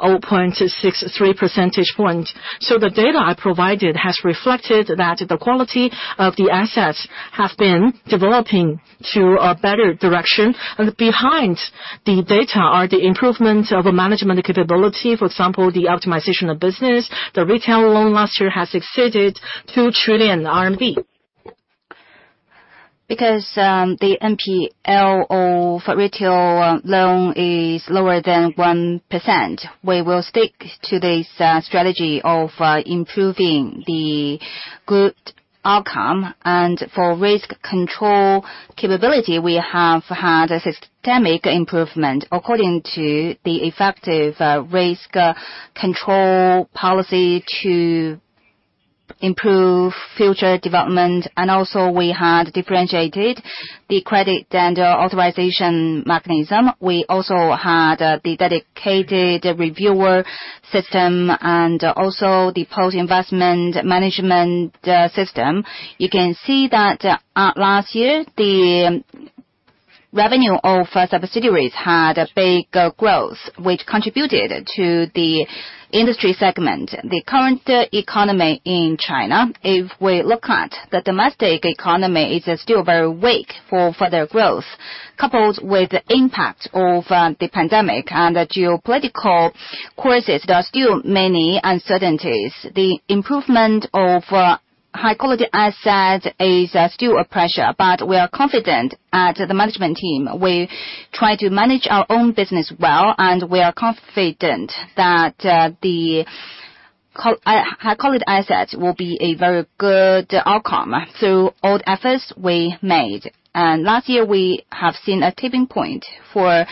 0.63 percentage point. The data I provided has reflected that the quality of the assets have been developing to a better direction. Behind the data are the improvements of management capability. For example, the optimization of business. The retail loan last year has exceeded 2 trillion RMB. Because the NPL for retail loan is lower than 1%, we will stick to this strategy of improving the good outcome. For risk control capability, we have had a systemic improvement according to the effective risk control policy to improve future development. Also we had differentiated the credit and authorization mechanism. We also had the dedicated reviewer system and also the post-investment management system. You can see that last year, the revenue of our subsidiaries had a big growth, which contributed to the industry segment. The current economy in China, if we look at the domestic economy, is still very weak for further growth. Coupled with the impact of the pandemic and the geopolitical crisis, there are still many uncertainties. The improvement of high quality asset is still a pressure. We are confident at the management team. We try to manage our own business well, and we are confident that high quality assets will be a very good outcome through all efforts we made. Last year, we have seen a tipping point for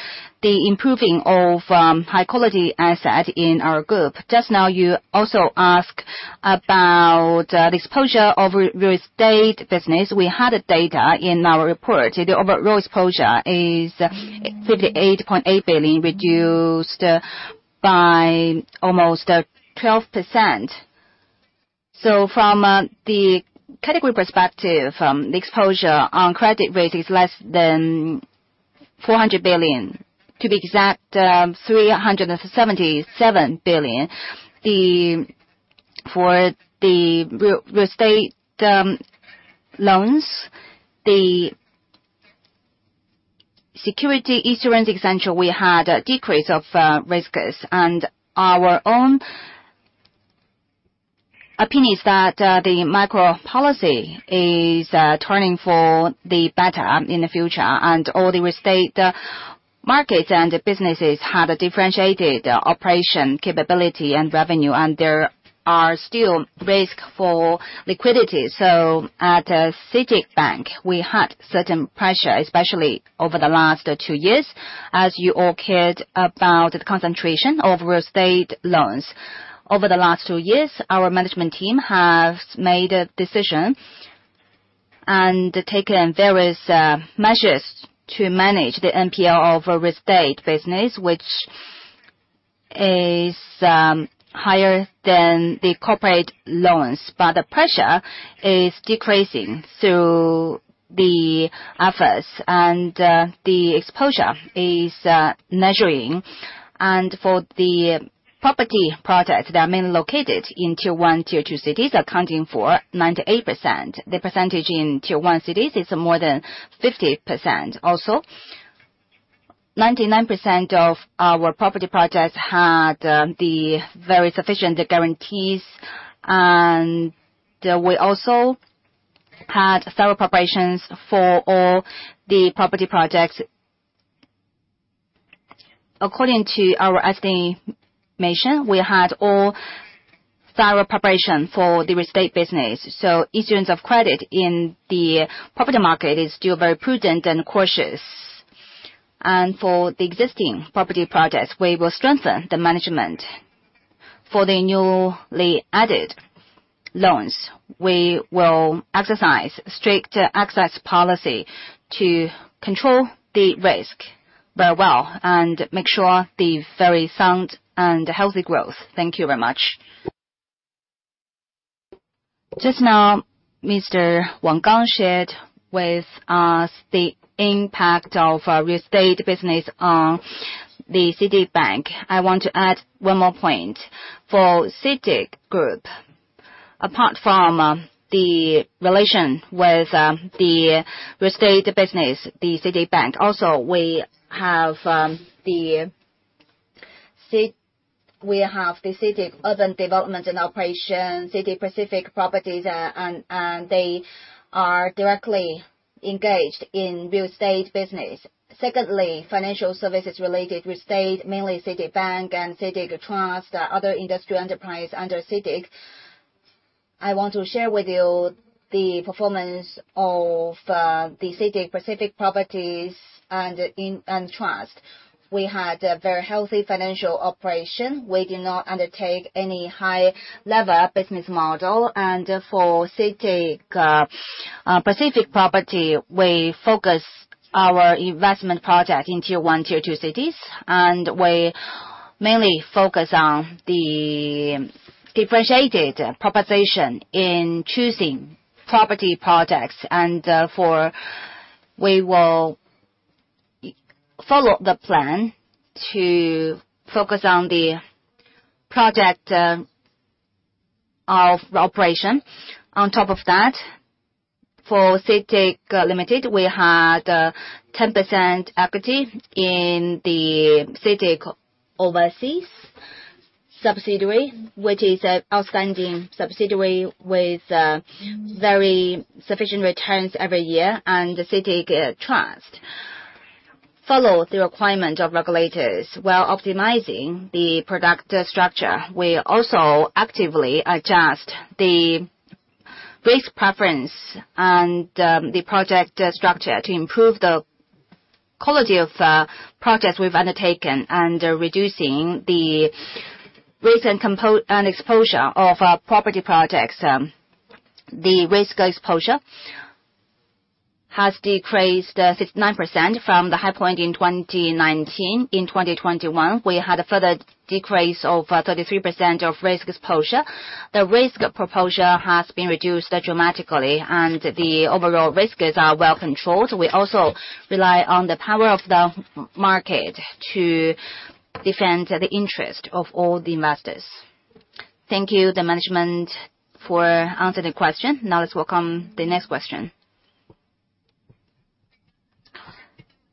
the improving of high quality asset in our group. Just now, you also ask about the exposure of real estate business. We had a data in our report. The overall exposure is 58.8 billion, reduced by almost 12%. From the category perspective, the exposure on credit rate is less than 400 billion. To be exact, 377 billion. For the real estate loans, the security insurance essential, we had a decrease of risks. Our own opinion is that the macro policy is turning for the better in the future. All the real estate markets and the businesses had a differentiated operation capability and revenue, and there are still risk for liquidity. At CITIC Bank, we had certain pressure, especially over the last two years. As you all cared about the concentration of real estate loans. Over the last two years, our management team has made a decision and taken various measures to manage the NPL of real estate business, which is higher than the corporate loans. The pressure is decreasing through the efforts and the exposure is manageable. For the property projects that are mainly located in tier one, tier two cities, accounting for 98%. The percentage in tier one cities is more than 50%. 99% of our property projects had the very sufficient guarantees. We also had thorough preparations for all the property projects. According to our estimation, we had all thorough preparation for the real estate business. Issuance of credit in the property market is still very prudent and cautious. For the existing property projects, we will strengthen the management. For the newly added loans, we will exercise strict access policy to control the risk very well and make sure the very sound and healthy growth. Thank you very much. Just now, Mr. Wang Kang shared with us the impact of our real estate business on the CITIC Bank. I want to add one more point. For CITIC Group, apart from the relation with the real estate business, the CITIC Bank, also we have the CITIC Urban Development & Operation, CITIC Pacific Properties, and they are directly engaged in real estate business. Secondly, financial services-related real estate, mainly CITIC Bank and CITIC Trust, other industry enterprise under CITIC. I want to share with you the performance of the CITIC Pacific Properties and Trust. We had a very healthy financial operation. We did not undertake any high-level business model. For CITIC Pacific Properties, we focus our investment project in tier one, tier two cities. We mainly focus on the differentiated proposition in choosing property projects. We will follow the plan to focus on the project of the operation. On top of that, for CITIC Limited, we had 10% equity in the CITIC overseas subsidiary, which is an outstanding subsidiary with very sufficient returns every year. CITIC Trust follow the requirement of regulators while optimizing the product structure. We also actively adjust the risk preference and the project structure to improve the quality of projects we've undertaken and reducing the risk and exposure of our property projects. The risk exposure has decreased 69% from the high point in 2019. In 2021, we had a further decrease of 33% of risk exposure. The risk exposure has been reduced dramatically, and the overall risks are well controlled. We also rely on the power of the market to defend the interest of all the investors. Thank you, the management, for answering the question. Now let's welcome the next question.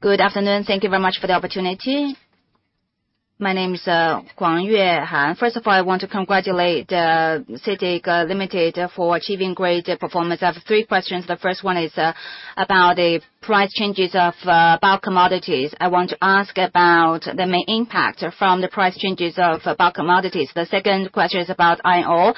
Good afternoon. Thank you very much for the opportunity. My name is Guangyue Han. First of all, I want to congratulate CITIC Limited for achieving great performance. I have three questions. The first one is about the price changes of bulk commodities. I want to ask about the main impact from the price changes of bulk commodities. The second question is about iron ore.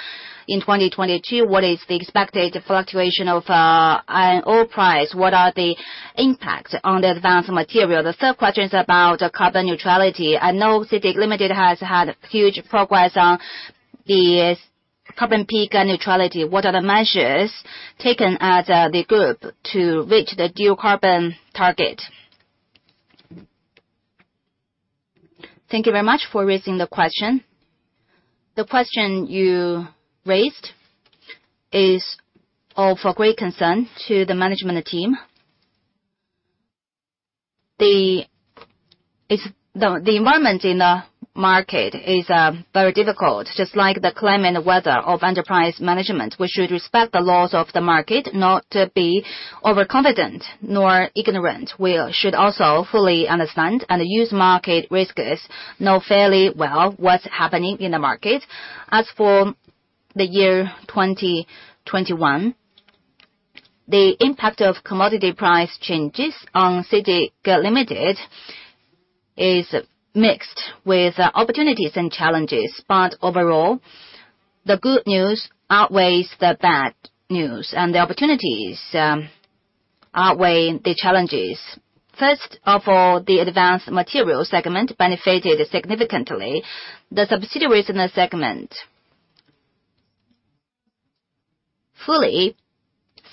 In 2022, what is the expected fluctuation of iron ore price? What are the impact on the advanced material? The third question is about carbon neutrality. I know CITIC Limited has had huge progress on the carbon peaking and neutrality. What are the measures taken at the group to reach the dual carbon target? Thank you very much for raising the question. The question you raised is of a great concern to the management team. The environment in the market is very difficult, just like the climate and weather of enterprise management. We should respect the laws of the market, not to be overconfident nor ignorant. We should also fully understand and use market risks, know fairly well what's happening in the market. As for the year 2021, the impact of commodity price changes on CITIC Limited is mixed with opportunities and challenges. Overall, the good news outweighs the bad news, and the opportunities outweigh the challenges. First of all, the advanced materials segment benefited significantly. The subsidiary in this segment fully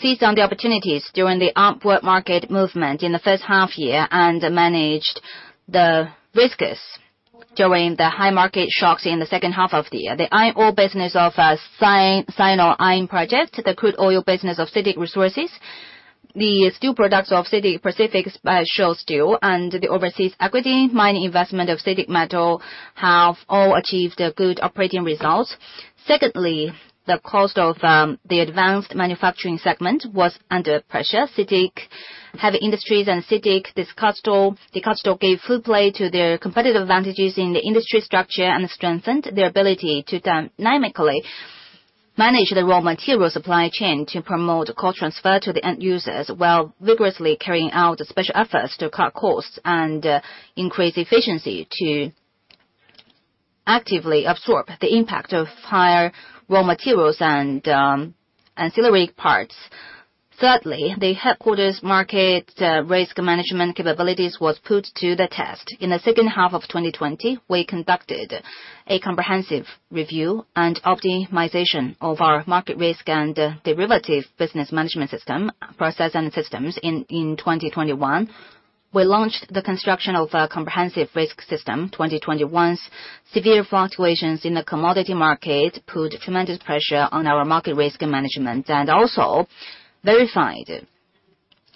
seized on the opportunities during the upward market movement in the first half year and managed the risks during the high market shocks in the second half of the year. The iron ore business of Sino Iron Project, the crude oil business of CITIC Resources, the steel products of CITIC Pacific Special Steel, and the overseas equity mining investment of CITIC Metal have all achieved good operating results. Secondly, the cost of the advanced manufacturing segment was under pressure. CITIC Heavy Industries and CITIC Dicastal gave full play to their competitive advantages in the industry structure and strengthened their ability to dynamically manage the raw material supply chain to promote cost transfer to the end users, while vigorously carrying out special efforts to cut costs and increase efficiency to actively absorb the impact of higher raw materials and ancillary parts. Thirdly, the headquarters market risk management capabilities was put to the test. In the second half of 2020, we conducted a comprehensive review and optimization of our market risk and derivative business management system, process, and systems in 2021. We launched the construction of a comprehensive risk system. 2021's severe fluctuations in the commodity market put tremendous pressure on our market risk management, and also verified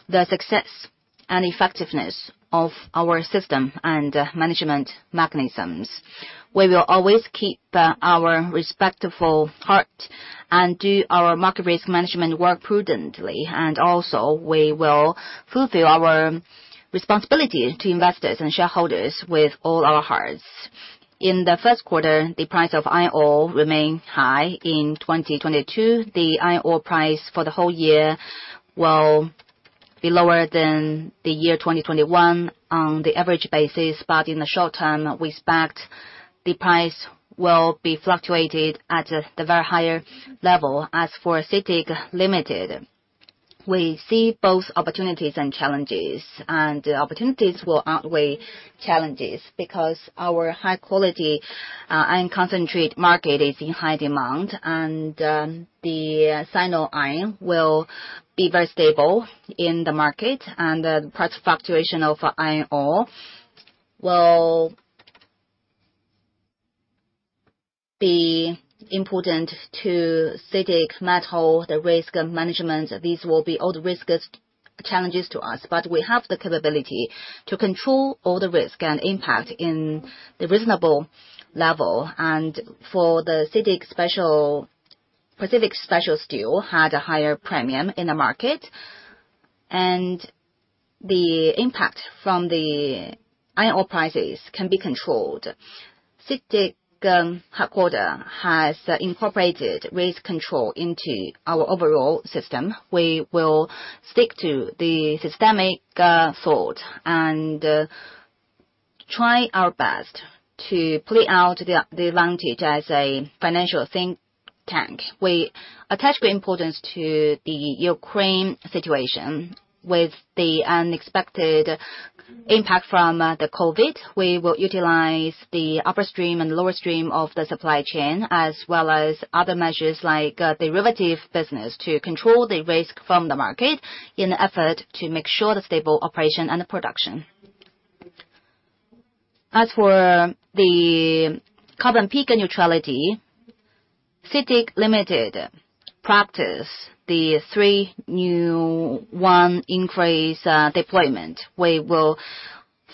the success and effectiveness of our system and management mechanisms. We will always keep our respectful heart and do our market risk management work prudently, and also we will fulfill our responsibility to investors and shareholders with all our hearts. In the first quarter, the price of iron ore remained high. In 2022, the iron ore price for the whole year will be lower than the year 2021 on the average basis. In the short term, we expect the price will be fluctuated at the very higher level. As for CITIC Limited, we see both opportunities and challenges, and the opportunities will outweigh challenges because our high quality iron concentrate market is in high demand and the Sino Iron will be very stable in the market and the price fluctuation of iron ore will be important to CITIC Metal, the risk management. These will be all the riskiest challenges to us, but we have the capability to control all the risk and impact in the reasonable level. For the CITIC Pacific Special Steel had a higher premium in the market. The impact from the iron ore prices can be controlled. CITIC headquarters has incorporated risk control into our overall system. We will stick to the systemic thought and try our best to play out the advantage as a financial think tank. We attach great importance to the Ukraine situation. With the unexpected impact from the COVID, we will utilize the upstream and downstream of the supply chain, as well as other measures like derivative business to control the risk from the market in an effort to make sure the stable operation and the production. As for the carbon peaking and neutrality, CITIC Limited practice the three new one increase deployment. We will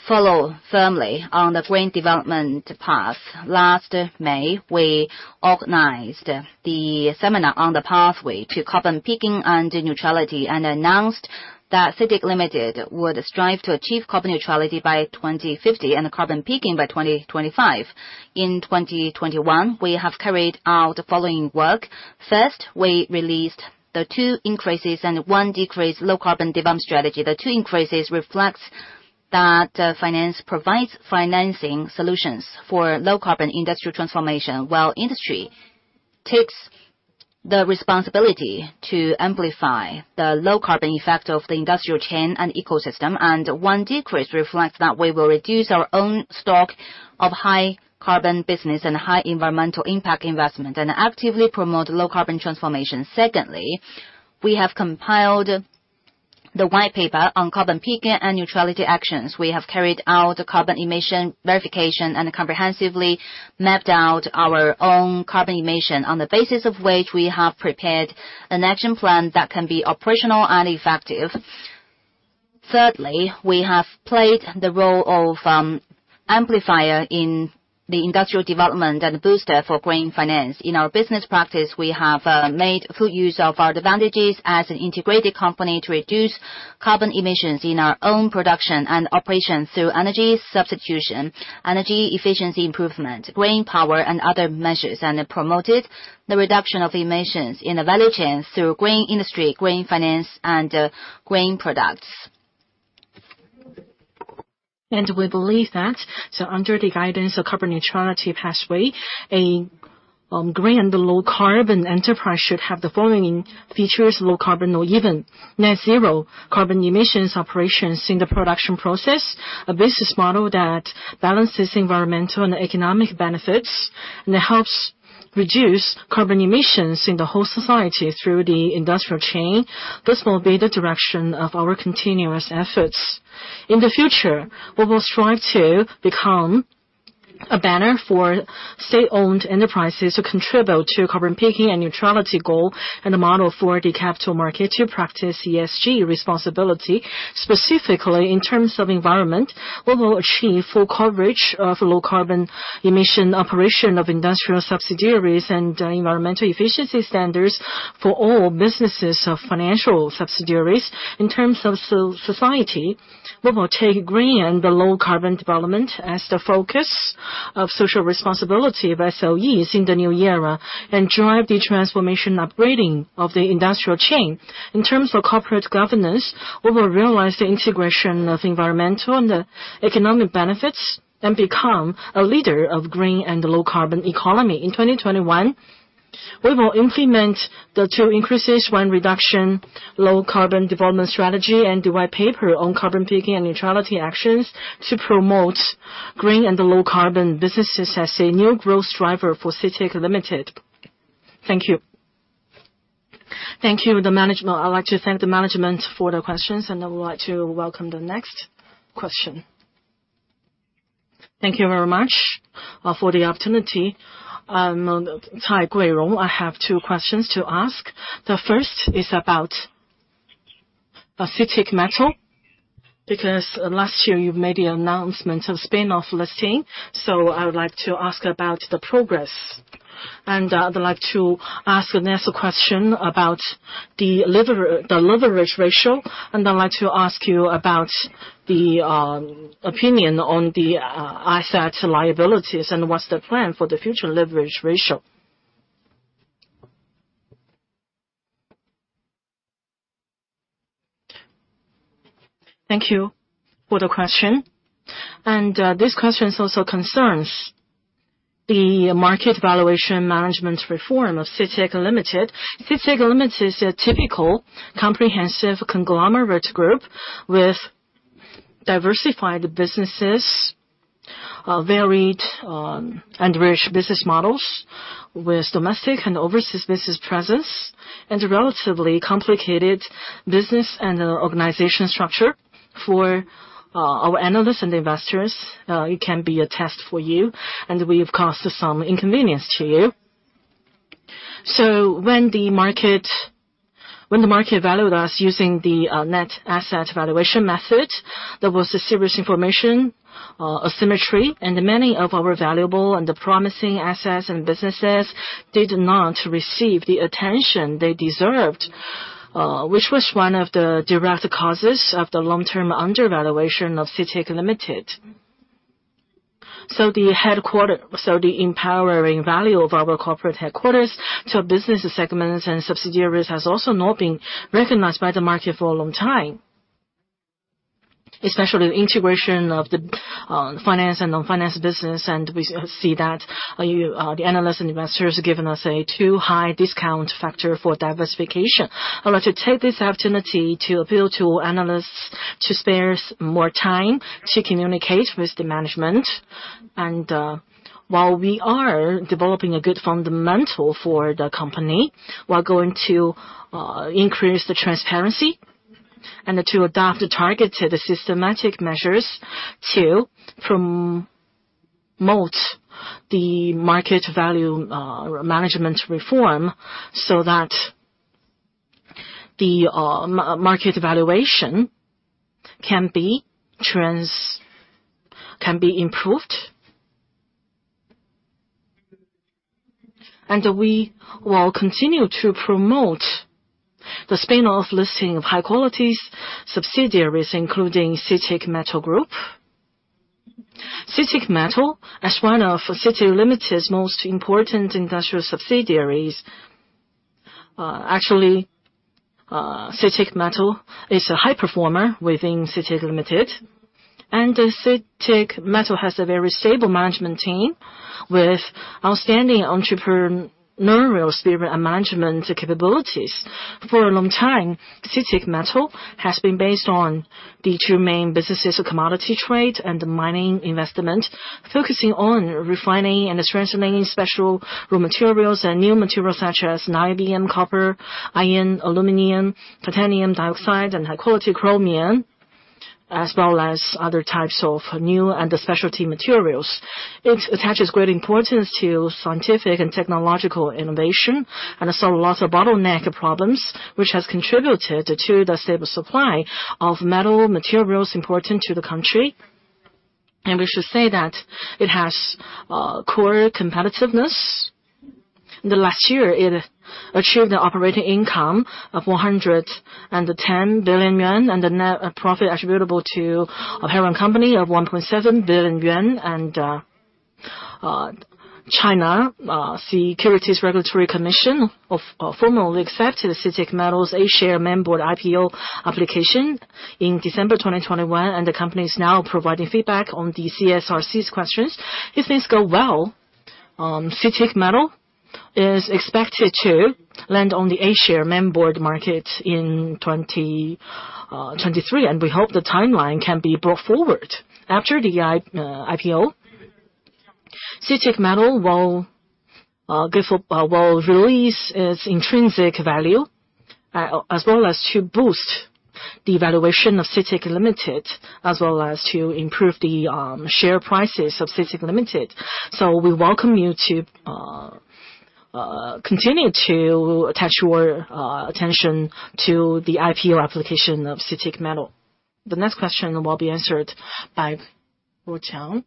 follow firmly on the green development path. Last May, we organized the seminar on the pathway to carbon peaking and neutrality, and announced that CITIC Limited would strive to achieve carbon neutrality by 2050 and carbon peaking by 2025. In 2021, we have carried out the following work. First, we released the two increases and one reduction low-carbon development strategy. The two increases reflects that, finance provides financing solutions for low-carbon industrial transformation, while industry takes the responsibility to amplify the low-carbon effect of the industrial chain and ecosystem. One reduction reflects that we will reduce our own stock of high-carbon business and high environmental impact investment, and actively promote low-carbon transformation. Secondly, we have compiled the white paper on carbon peaking and neutrality actions. We have carried out carbon emission verification and comprehensively mapped out our own carbon emission, on the basis of which we have prepared an action plan that can be operational and effective. Thirdly, we have played the role of, amplifier in the industrial development and booster for green finance. In our business practice, we have made full use of our advantages as an integrated company to reduce carbon emissions in our own production and operations through energy substitution, energy efficiency improvement, green power and other measures, and promoted the reduction of emissions in the value chains through green industry, green finance and green products. We believe that under the guidance of carbon neutrality pathway, a green and low carbon enterprise should have the following features, low carbon or even net zero carbon emissions operations in the production process, a business model that balances environmental and economic benefits, and helps reduce carbon emissions in the whole society through the industrial chain. This will be the direction of our continuous efforts. In the future, we will strive to become a banner for state-owned enterprises to contribute to carbon peaking and neutrality goal, and a model for the capital market to practice ESG responsibility. Specifically, in terms of environment, we will achieve full coverage of low carbon emission operation of industrial subsidiaries and environmental efficiency standards for all businesses of financial subsidiaries. In terms of society, we will take green and low-carbon development as the focus of social responsibility of SOEs in the new era, and drive the transformation and upgrading of the industrial chain. In terms of corporate governance, we will realize the integration of environmental and economic benefits, and become a leader of green and low-carbon economy. In 2021, we will implement the two increases, one reduction low-carbon development strategy and the white paper on carbon peaking and neutrality actions to promote green and low-carbon businesses as a new growth driver for CITIC Limited. Thank you. Thank you, the management. I'd like to thank the management for the questions, and I would like to welcome the next question. Thank you very much for the opportunity. I'm Cai Guirong. I have two questions to ask. The first is about CITIC Metal, because last year you made the announcement of spin-off listing, so I would like to ask about the progress. I'd like to ask the next question about the leverage ratio, and I'd like to ask you about the opinion on the assets liabilities, and what's the plan for the future leverage ratio? Thank you for the question. This question also concerns the market valuation management reform of CITIC Limited. CITIC Limited is a typical comprehensive conglomerate group with diversified businesses, varied, and rich business models, with domestic and overseas business presence, and a relatively complicated business and organization structure. For our analysts and investors, it can be a test for you, and we've caused some inconvenience to you. When the market valued us using the net asset valuation method, there was a serious information asymmetry, and many of our valuable and promising assets and businesses did not receive the attention they deserved, which was one of the direct causes of the long-term undervaluation of CITIC Limited. The empowering value of our corporate headquarters to business segments and subsidiaries has also not been recognized by the market for a long time, especially the integration of the finance and non-financial business, and we see that you, the analysts and investors have given us a too high discount factor for diversification. I'd like to take this opportunity to appeal to analysts to spare more time to communicate with the management. While we are developing a good fundamental for the company, we are going to increase the transparency and to adopt targeted systematic measures to promote the market value management reform so that the market valuation can be improved. We will continue to promote the spin-off listing of high-quality subsidiaries, including CITIC Metal Group. CITIC Metal, as one of CITIC Limited's most important industrial subsidiaries, actually, CITIC Metal is a high performer within CITIC Limited. CITIC Metal has a very stable management team with outstanding entrepreneurial spirit and management capabilities. For a long time, CITIC Metal has been based on the two main businesses of commodity trade and mining investment, focusing on refining and strengthening special raw materials and new materials such as niobium, copper, iron, aluminum, titanium dioxide, and high-quality chromium, as well as other types of new and specialty materials. It attaches great importance to scientific and technological innovation, and has solved lots of bottleneck problems, which has contributed to the stable supply of metal materials important to the country. We should say that it has core competitiveness. In the last year, it achieved an operating income of 110 billion yuan and a net profit attributable to a parent company of 1.7 billion yuan. China Securities Regulatory Commission formally accepted CITIC Metal's A-share mainboard IPO application in December 2021, and the company is now providing feedback on the CSRC's questions. If things go well, CITIC Metal is expected to land on the A-share mainboard market in 2023, and we hope the timeline can be brought forward. After the IPO, CITIC Metal will release its intrinsic value, as well as to boost the evaluation of CITIC Limited, as well as to improve the share prices of CITIC Limited. We welcome you to continue to attach your attention to the IPO application of CITIC Metal. The next question will be answered by Wang Kang.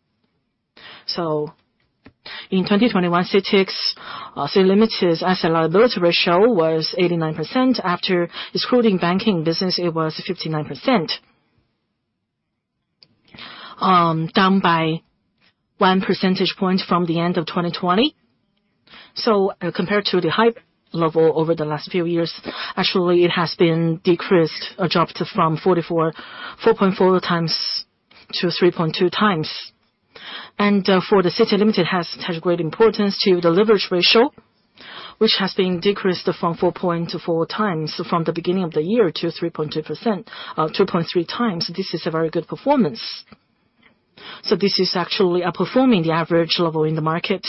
In 2021, CITIC Limited's asset liability ratio was 89%. After excluding banking business, it was 59%. Down by 1 percentage point from the end of 2020. Compared to the high level over the last few years, actually it has been decreased or dropped from 4.4x to 3.2x. CITIC Limited has attached great importance to the leverage ratio, which has been decreased from 4.4x from the beginning of the year to 2.3x. This is a very good performance. This is actually outperforming the average level in the market.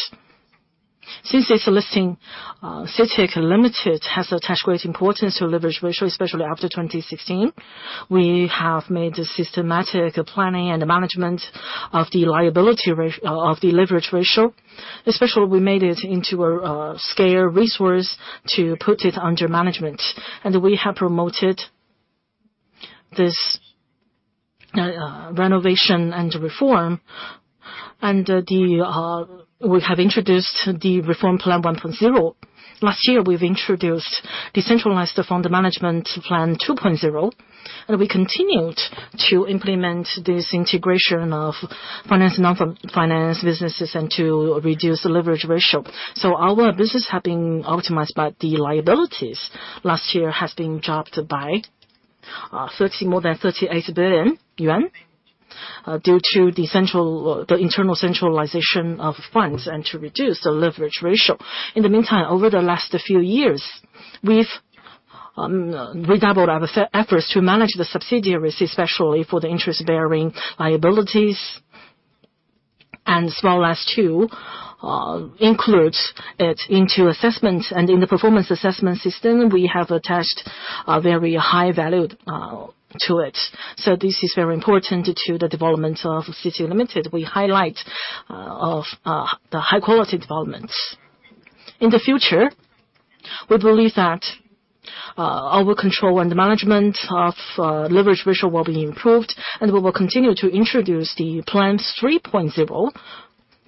Since its listing, CITIC Limited has attached great importance to leverage ratio, especially after 2016. We have made a systematic planning and management of the leverage ratio. Especially, we made it into a scale resource to put it under management. We have promoted this renovation and reform. We have introduced the reform plan 1.0. Last year, we've introduced the centralized fund management plan 2.0, and we continued to implement this integration of financial and non-financial businesses and to reduce the leverage ratio. Our business have been optimized, but the liabilities last year has been dropped by more than 38 billion yuan, due to the internal centralization of funds and to reduce the leverage ratio. In the meantime, over the last few years, we've redoubled our efforts to manage the subsidiaries, especially for the interest-bearing liabilities, and to include it into assessment. In the performance assessment system, we have attached a very high value to it. This is very important to the development of CITIC Limited. We highlight the high quality developments. In the future, we believe that our control and management of leverage ratio will be improved, and we will continue to introduce the Plan 3.0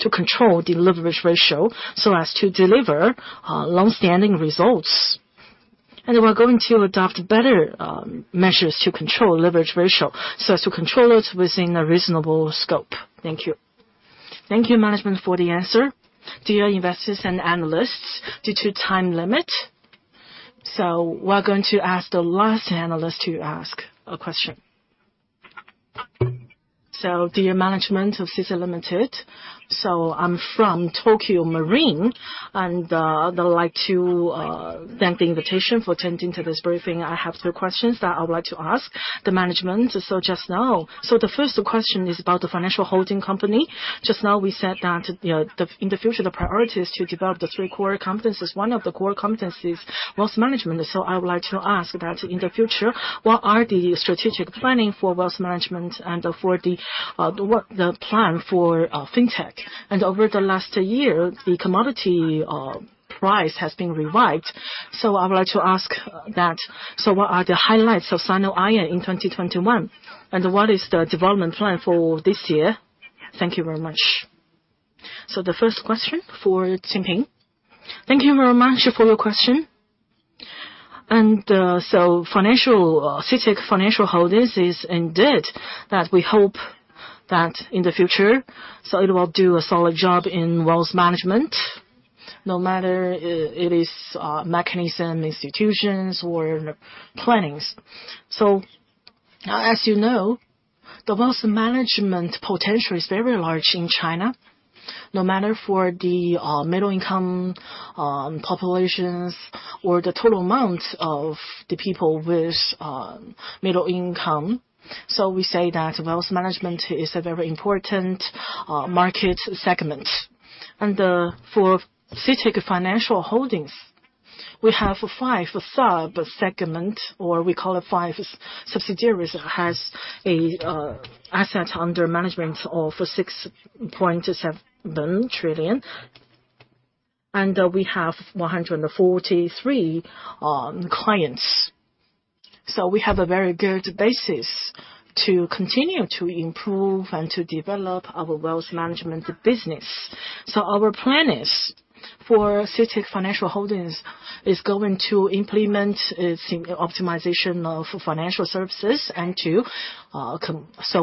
to control the leverage ratio so as to deliver long-standing results. We're going to adopt better measures to control leverage ratio, so as to control it within a reasonable scope. Thank you. Thank you, management, for the answer. Dear investors and analysts, due to time limit, we're going to ask the last analyst to ask a question. Dear management of CITIC Limited, I'm from Tokio Marine, and I'd like to thank you for the invitation for attending to this briefing. I have three questions that I would like to ask the management. Just now, the first question is about the financial holding company. Just now we said that, you know, in the future, the priority is to develop the three core competencies. One of the core competencies, wealth management. I would like to ask that in the future, what are the strategic planning for wealth management and for the, what the plan for, fintech? Over the last year, the commodity price has been revised. I would like to ask that, what are the highlights of Sino Iron in 2021? And what is the development plan for this year? Thank you very much. The first question for Qingping. Thank you very much for your question. Financial, CITIC Financial Holdings is indeed that we hope that in the future, it will do a solid job in wealth management, no matter it is, mechanism, institutions, or plannings. As you know, the wealth management potential is very large in China, no matter for the middle income populations or the total amount of the people with middle income. We say that wealth management is a very important market segment. For CITIC Financial Holdings, we have five sub-segment, or we call it five subsidiaries, that has a asset under management of 6.7 trillion. We have 143 clients. We have a very good basis to continue to improve and to develop our wealth management business. Our plan is for CITIC Financial Holdings to implement its optimization of financial services and to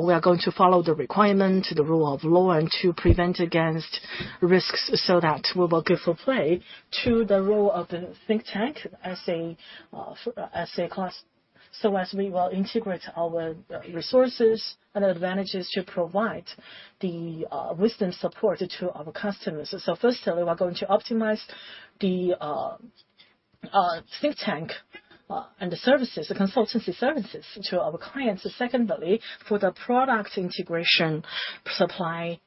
We are going to follow the requirement, the rule of law, and to prevent against risks, so that we will give full play to the role of the think tank as a class, so as we will integrate our resources and advantages to provide the wisdom support to our customers. Firstly, we are going to optimize the think tank and the services, the consultancy services to our clients. Secondly, for the product integration supply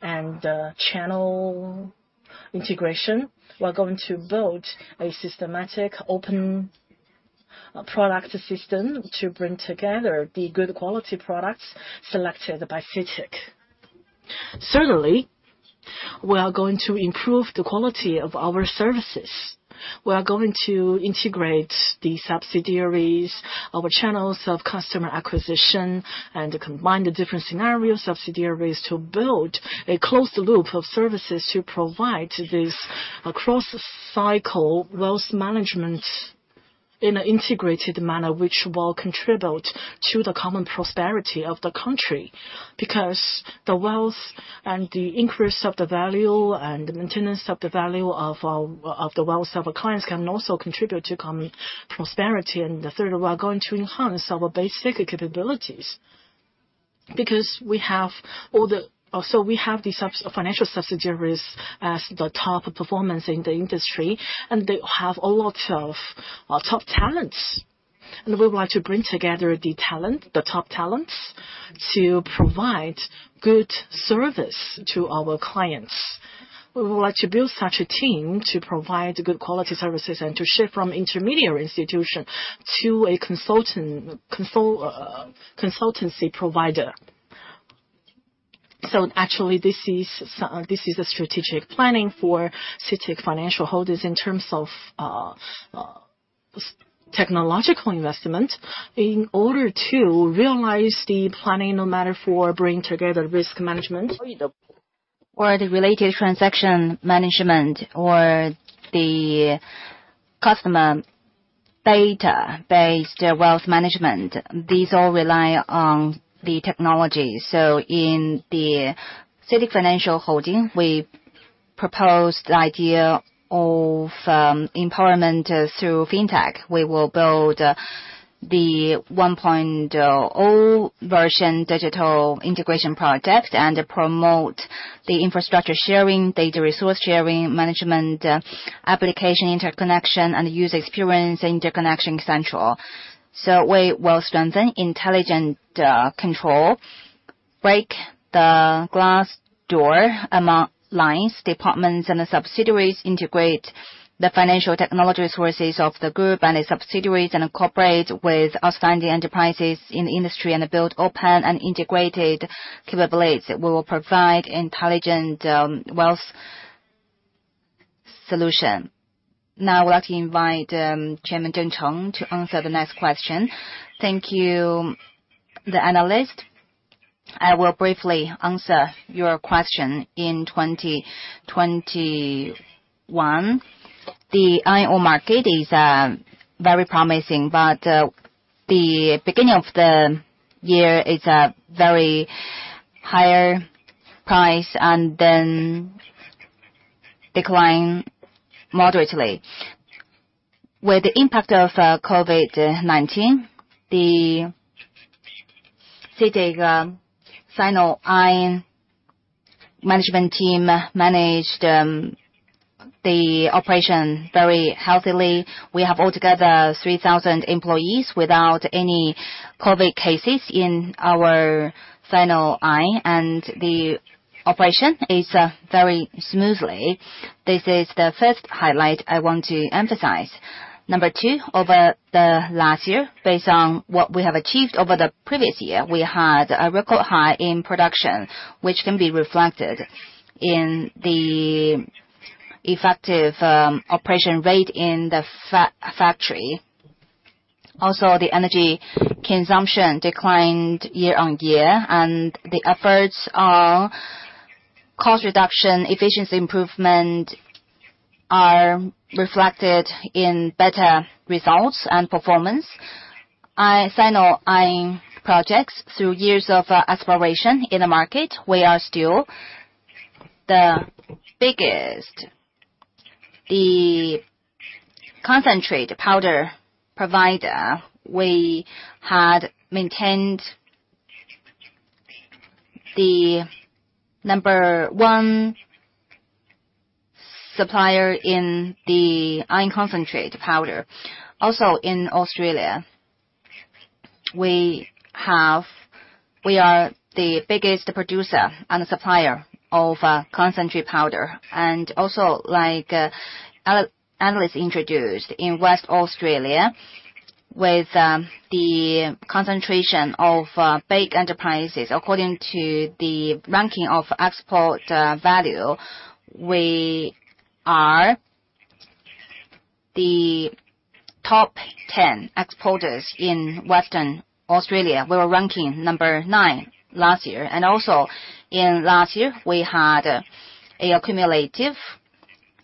and channel integration, we are going to build a systematic open product system to bring together the good quality products selected by CITIC. Certainly, we are going to improve the quality of our services. We are going to integrate the subsidiaries, our channels of customer acquisition, and combine the different scenario subsidiaries to build a closed loop of services to provide this across cycle wealth management in an integrated manner, which will contribute to the common prosperity of the country, because the wealth and the increase of the value and the maintenance of the value of the wealth of our clients can also contribute to common prosperity. The third, we are going to enhance our basic capabilities because we have all these financial subsidiaries as top performers in the industry, and they have a lot of top talents. We want to bring together the top talents to provide good service to our clients. We would like to build such a team to provide good quality services and to shift from intermediary institution to a consultancy provider. Actually this is a strategic planning for CITIC Financial Holdings in terms of technological investment in order to realize the planning, no matter for bringing together risk management. The related transaction management or CITIC Dicastal data-based wealth management. These all rely on the technology. In the CITIC Financial Holdings, we proposed the idea of empowerment through fintech. We will build the 1.0 version digital integration project and promote the infrastructure sharing, data resource sharing, management application interconnection and user experience interconnection central. We will strengthen intelligent control, break the glass door among lines, departments and the subsidiaries, integrate the financial technology sources of the group and its subsidiaries, and incorporate with outstanding enterprises in the industry and build open and integrated capabilities. We will provide intelligent wealth solution. Now we'd like to invite Chairman Chen Zeng to answer the next question. Thank you, the analyst. I will briefly answer your question. In 2021, the iron ore market is very promising, but the beginning of the year is a very high price and then decline moderately. With the impact of COVID-19, the CITIC Sino Iron Management team managed the operation very healthily. We have altogether 3,000 employees without any COVID cases in our Sino Iron, and the operation is very smoothly. This is the first highlight I want to emphasize. Number 2, over the last year, based on what we have achieved over the previous year, we had a record high in production, which can be reflected in the effective operation rate in the factory. Also, the energy consumption declined year-on-year and the efforts are cost reduction, efficiency improvement are reflected in better results and performance. Sino Iron projects, through years of exploration in the market, we are still the biggest concentrate powder provider. We had maintained the number one supplier in the iron concentrate powder. In Australia, we are the biggest producer and supplier of concentrate powder. Like analysts introduced, in Western Australia, with the concentration of big enterprises, according to the ranking of export value, we are the top ten exporters in Western Australia. We were ranking number nine last year. In last year, we had an accumulative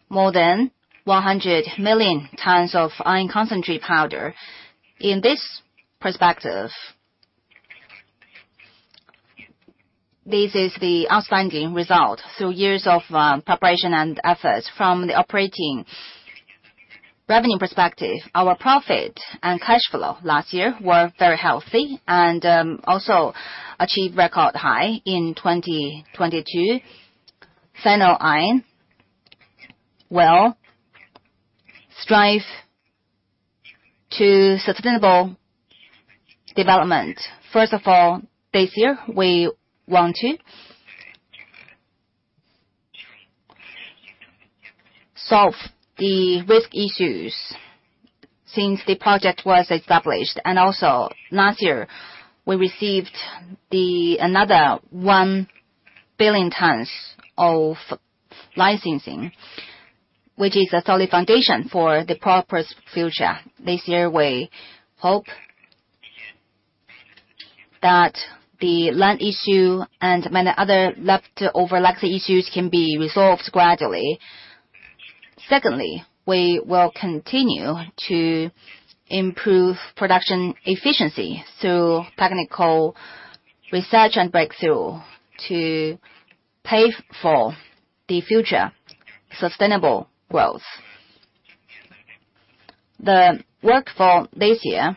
more than 100 million tons of iron concentrate powder. In this perspective, this is the outstanding result through years of preparation and efforts from the operating revenue perspective. Our profit and cash flow last year were very healthy and also achieved record high in 2022. Sino Iron will strive to sustainable development. First of all, this year we want to solve the risk issues since the project was established. Also last year we received another 1 billion tons of licensing, which is a solid foundation for the proper future. This year we hope that the land issue and many other overlapping issues can be resolved gradually. Secondly, we will continue to improve production efficiency through technical research and breakthrough to pave for the future sustainable growth. The work for this year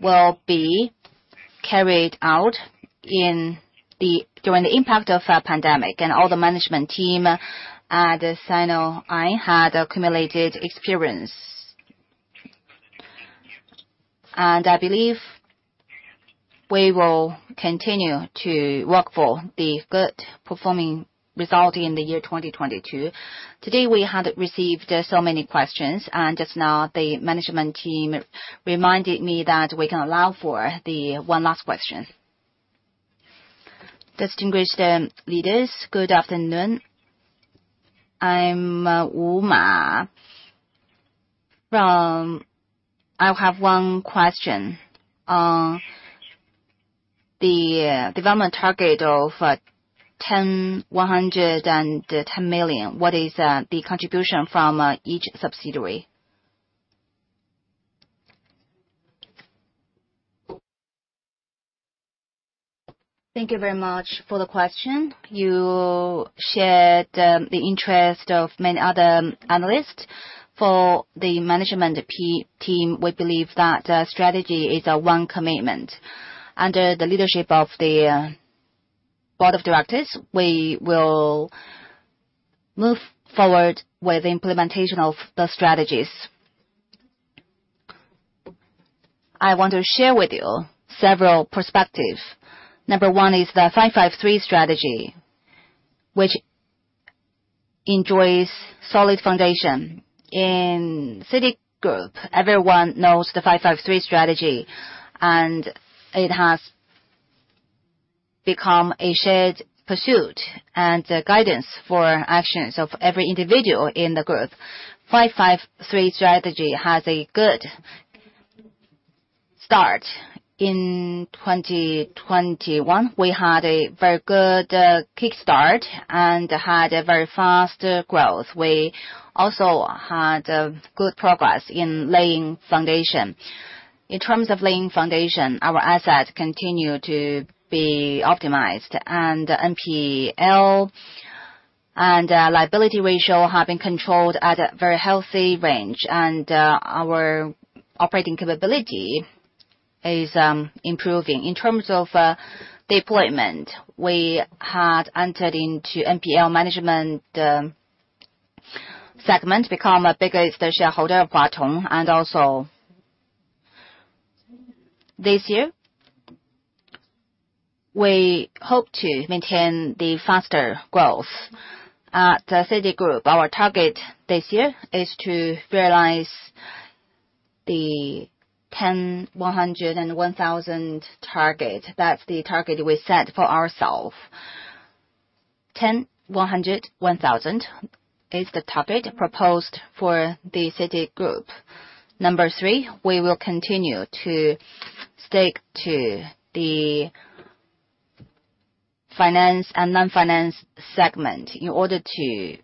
will be carried out during the impact of a pandemic. All the management team at Sino Iron had accumulated experience. I believe we will continue to work for the good performing result in the year 2022. Today, we have received so many questions, and just now the management team reminded me that we can allow for the one last question. Distinguished leaders, good afternoon. I'm Uma from... I have one question on the development target of ten, one hundred, and one thousand. What is the contribution from each subsidiary? Thank you very much for the question. You shared the interest of many other analysts. For the management team, we believe that strategy is our one commitment. Under the leadership of the board of directors, we will move forward with implementation of the strategies. I want to share with you several perspectives. Number one is the five five three strategy, which enjoys solid foundation. In CITIC Group, everyone knows the five five three strategy, and it has become a shared pursuit and a guidance for actions of every individual in the group. Five five three strategy has a good start. In 2021, we had a very good kick start and had a very fast growth. We also had good progress in laying foundation. In terms of laying foundation, our assets continue to be optimized, and NPL and liability ratio have been controlled at a very healthy range, and our operating capability is improving. In terms of deployment, we had entered into NPL management segment, become a biggest shareholder of Huarong. Also, this year, we hope to maintain the faster growth at CITIC Group. Our target this year is to realize the ten, one hundred, and one thousand target. That's the target we set for ourself. 10, 100, 1,000 is the target proposed for the CITIC Group. Number 3, we will continue to stick to the finance and non-financial segment in order to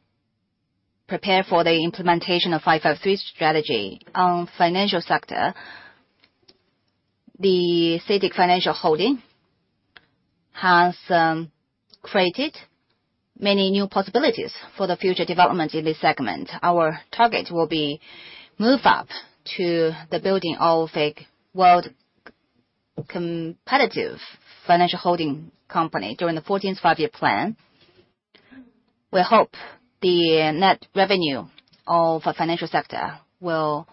prepare for the implementation of five five three strategy. On financial sector, the CITIC Financial Holdings has created many new possibilities for the future development in this segment. Our target will be move up to the building of a world competitive financial holding company during the fourteenth five-year plan. We hope the net revenue of a financial sector will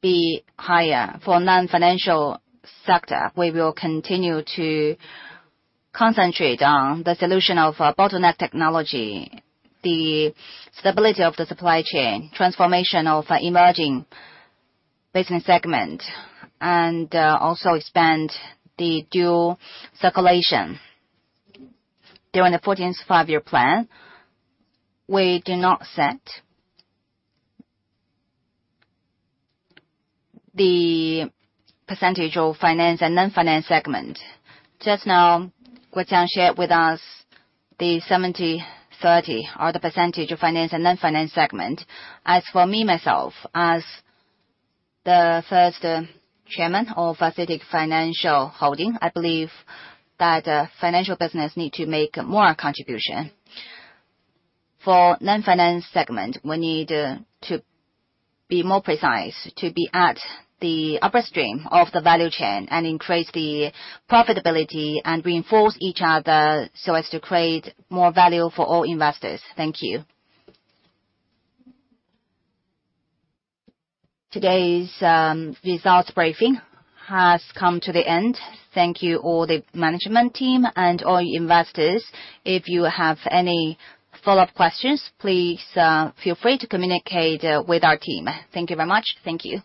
be higher. For non-financial sector, we will continue to concentrate on the solution of bottleneck technology, the stability of the supply chain, transformation of emerging business segment, and also expand the dual circulation. During the fourteenth five-year plan, we do not set the percentage of finance and non-finance segment. Just now, Wang Guoquan shared with us the 70%/30% are the percentage of financial and Non-Financial segment. As for me, myself, as the first Chairman of CITIC Financial Holdings, I believe that financial business need to make more contribution. For Non-Financial segment, we need to be more precise to be at the upstream of the value chain and increase the profitability and reinforce each other so as to create more value for all investors. Thank you. Today's results briefing has come to the end. Thank you all the management team and all investors. If you have any follow-up questions, please feel free to communicate with our team. Thank you very much. Thank you.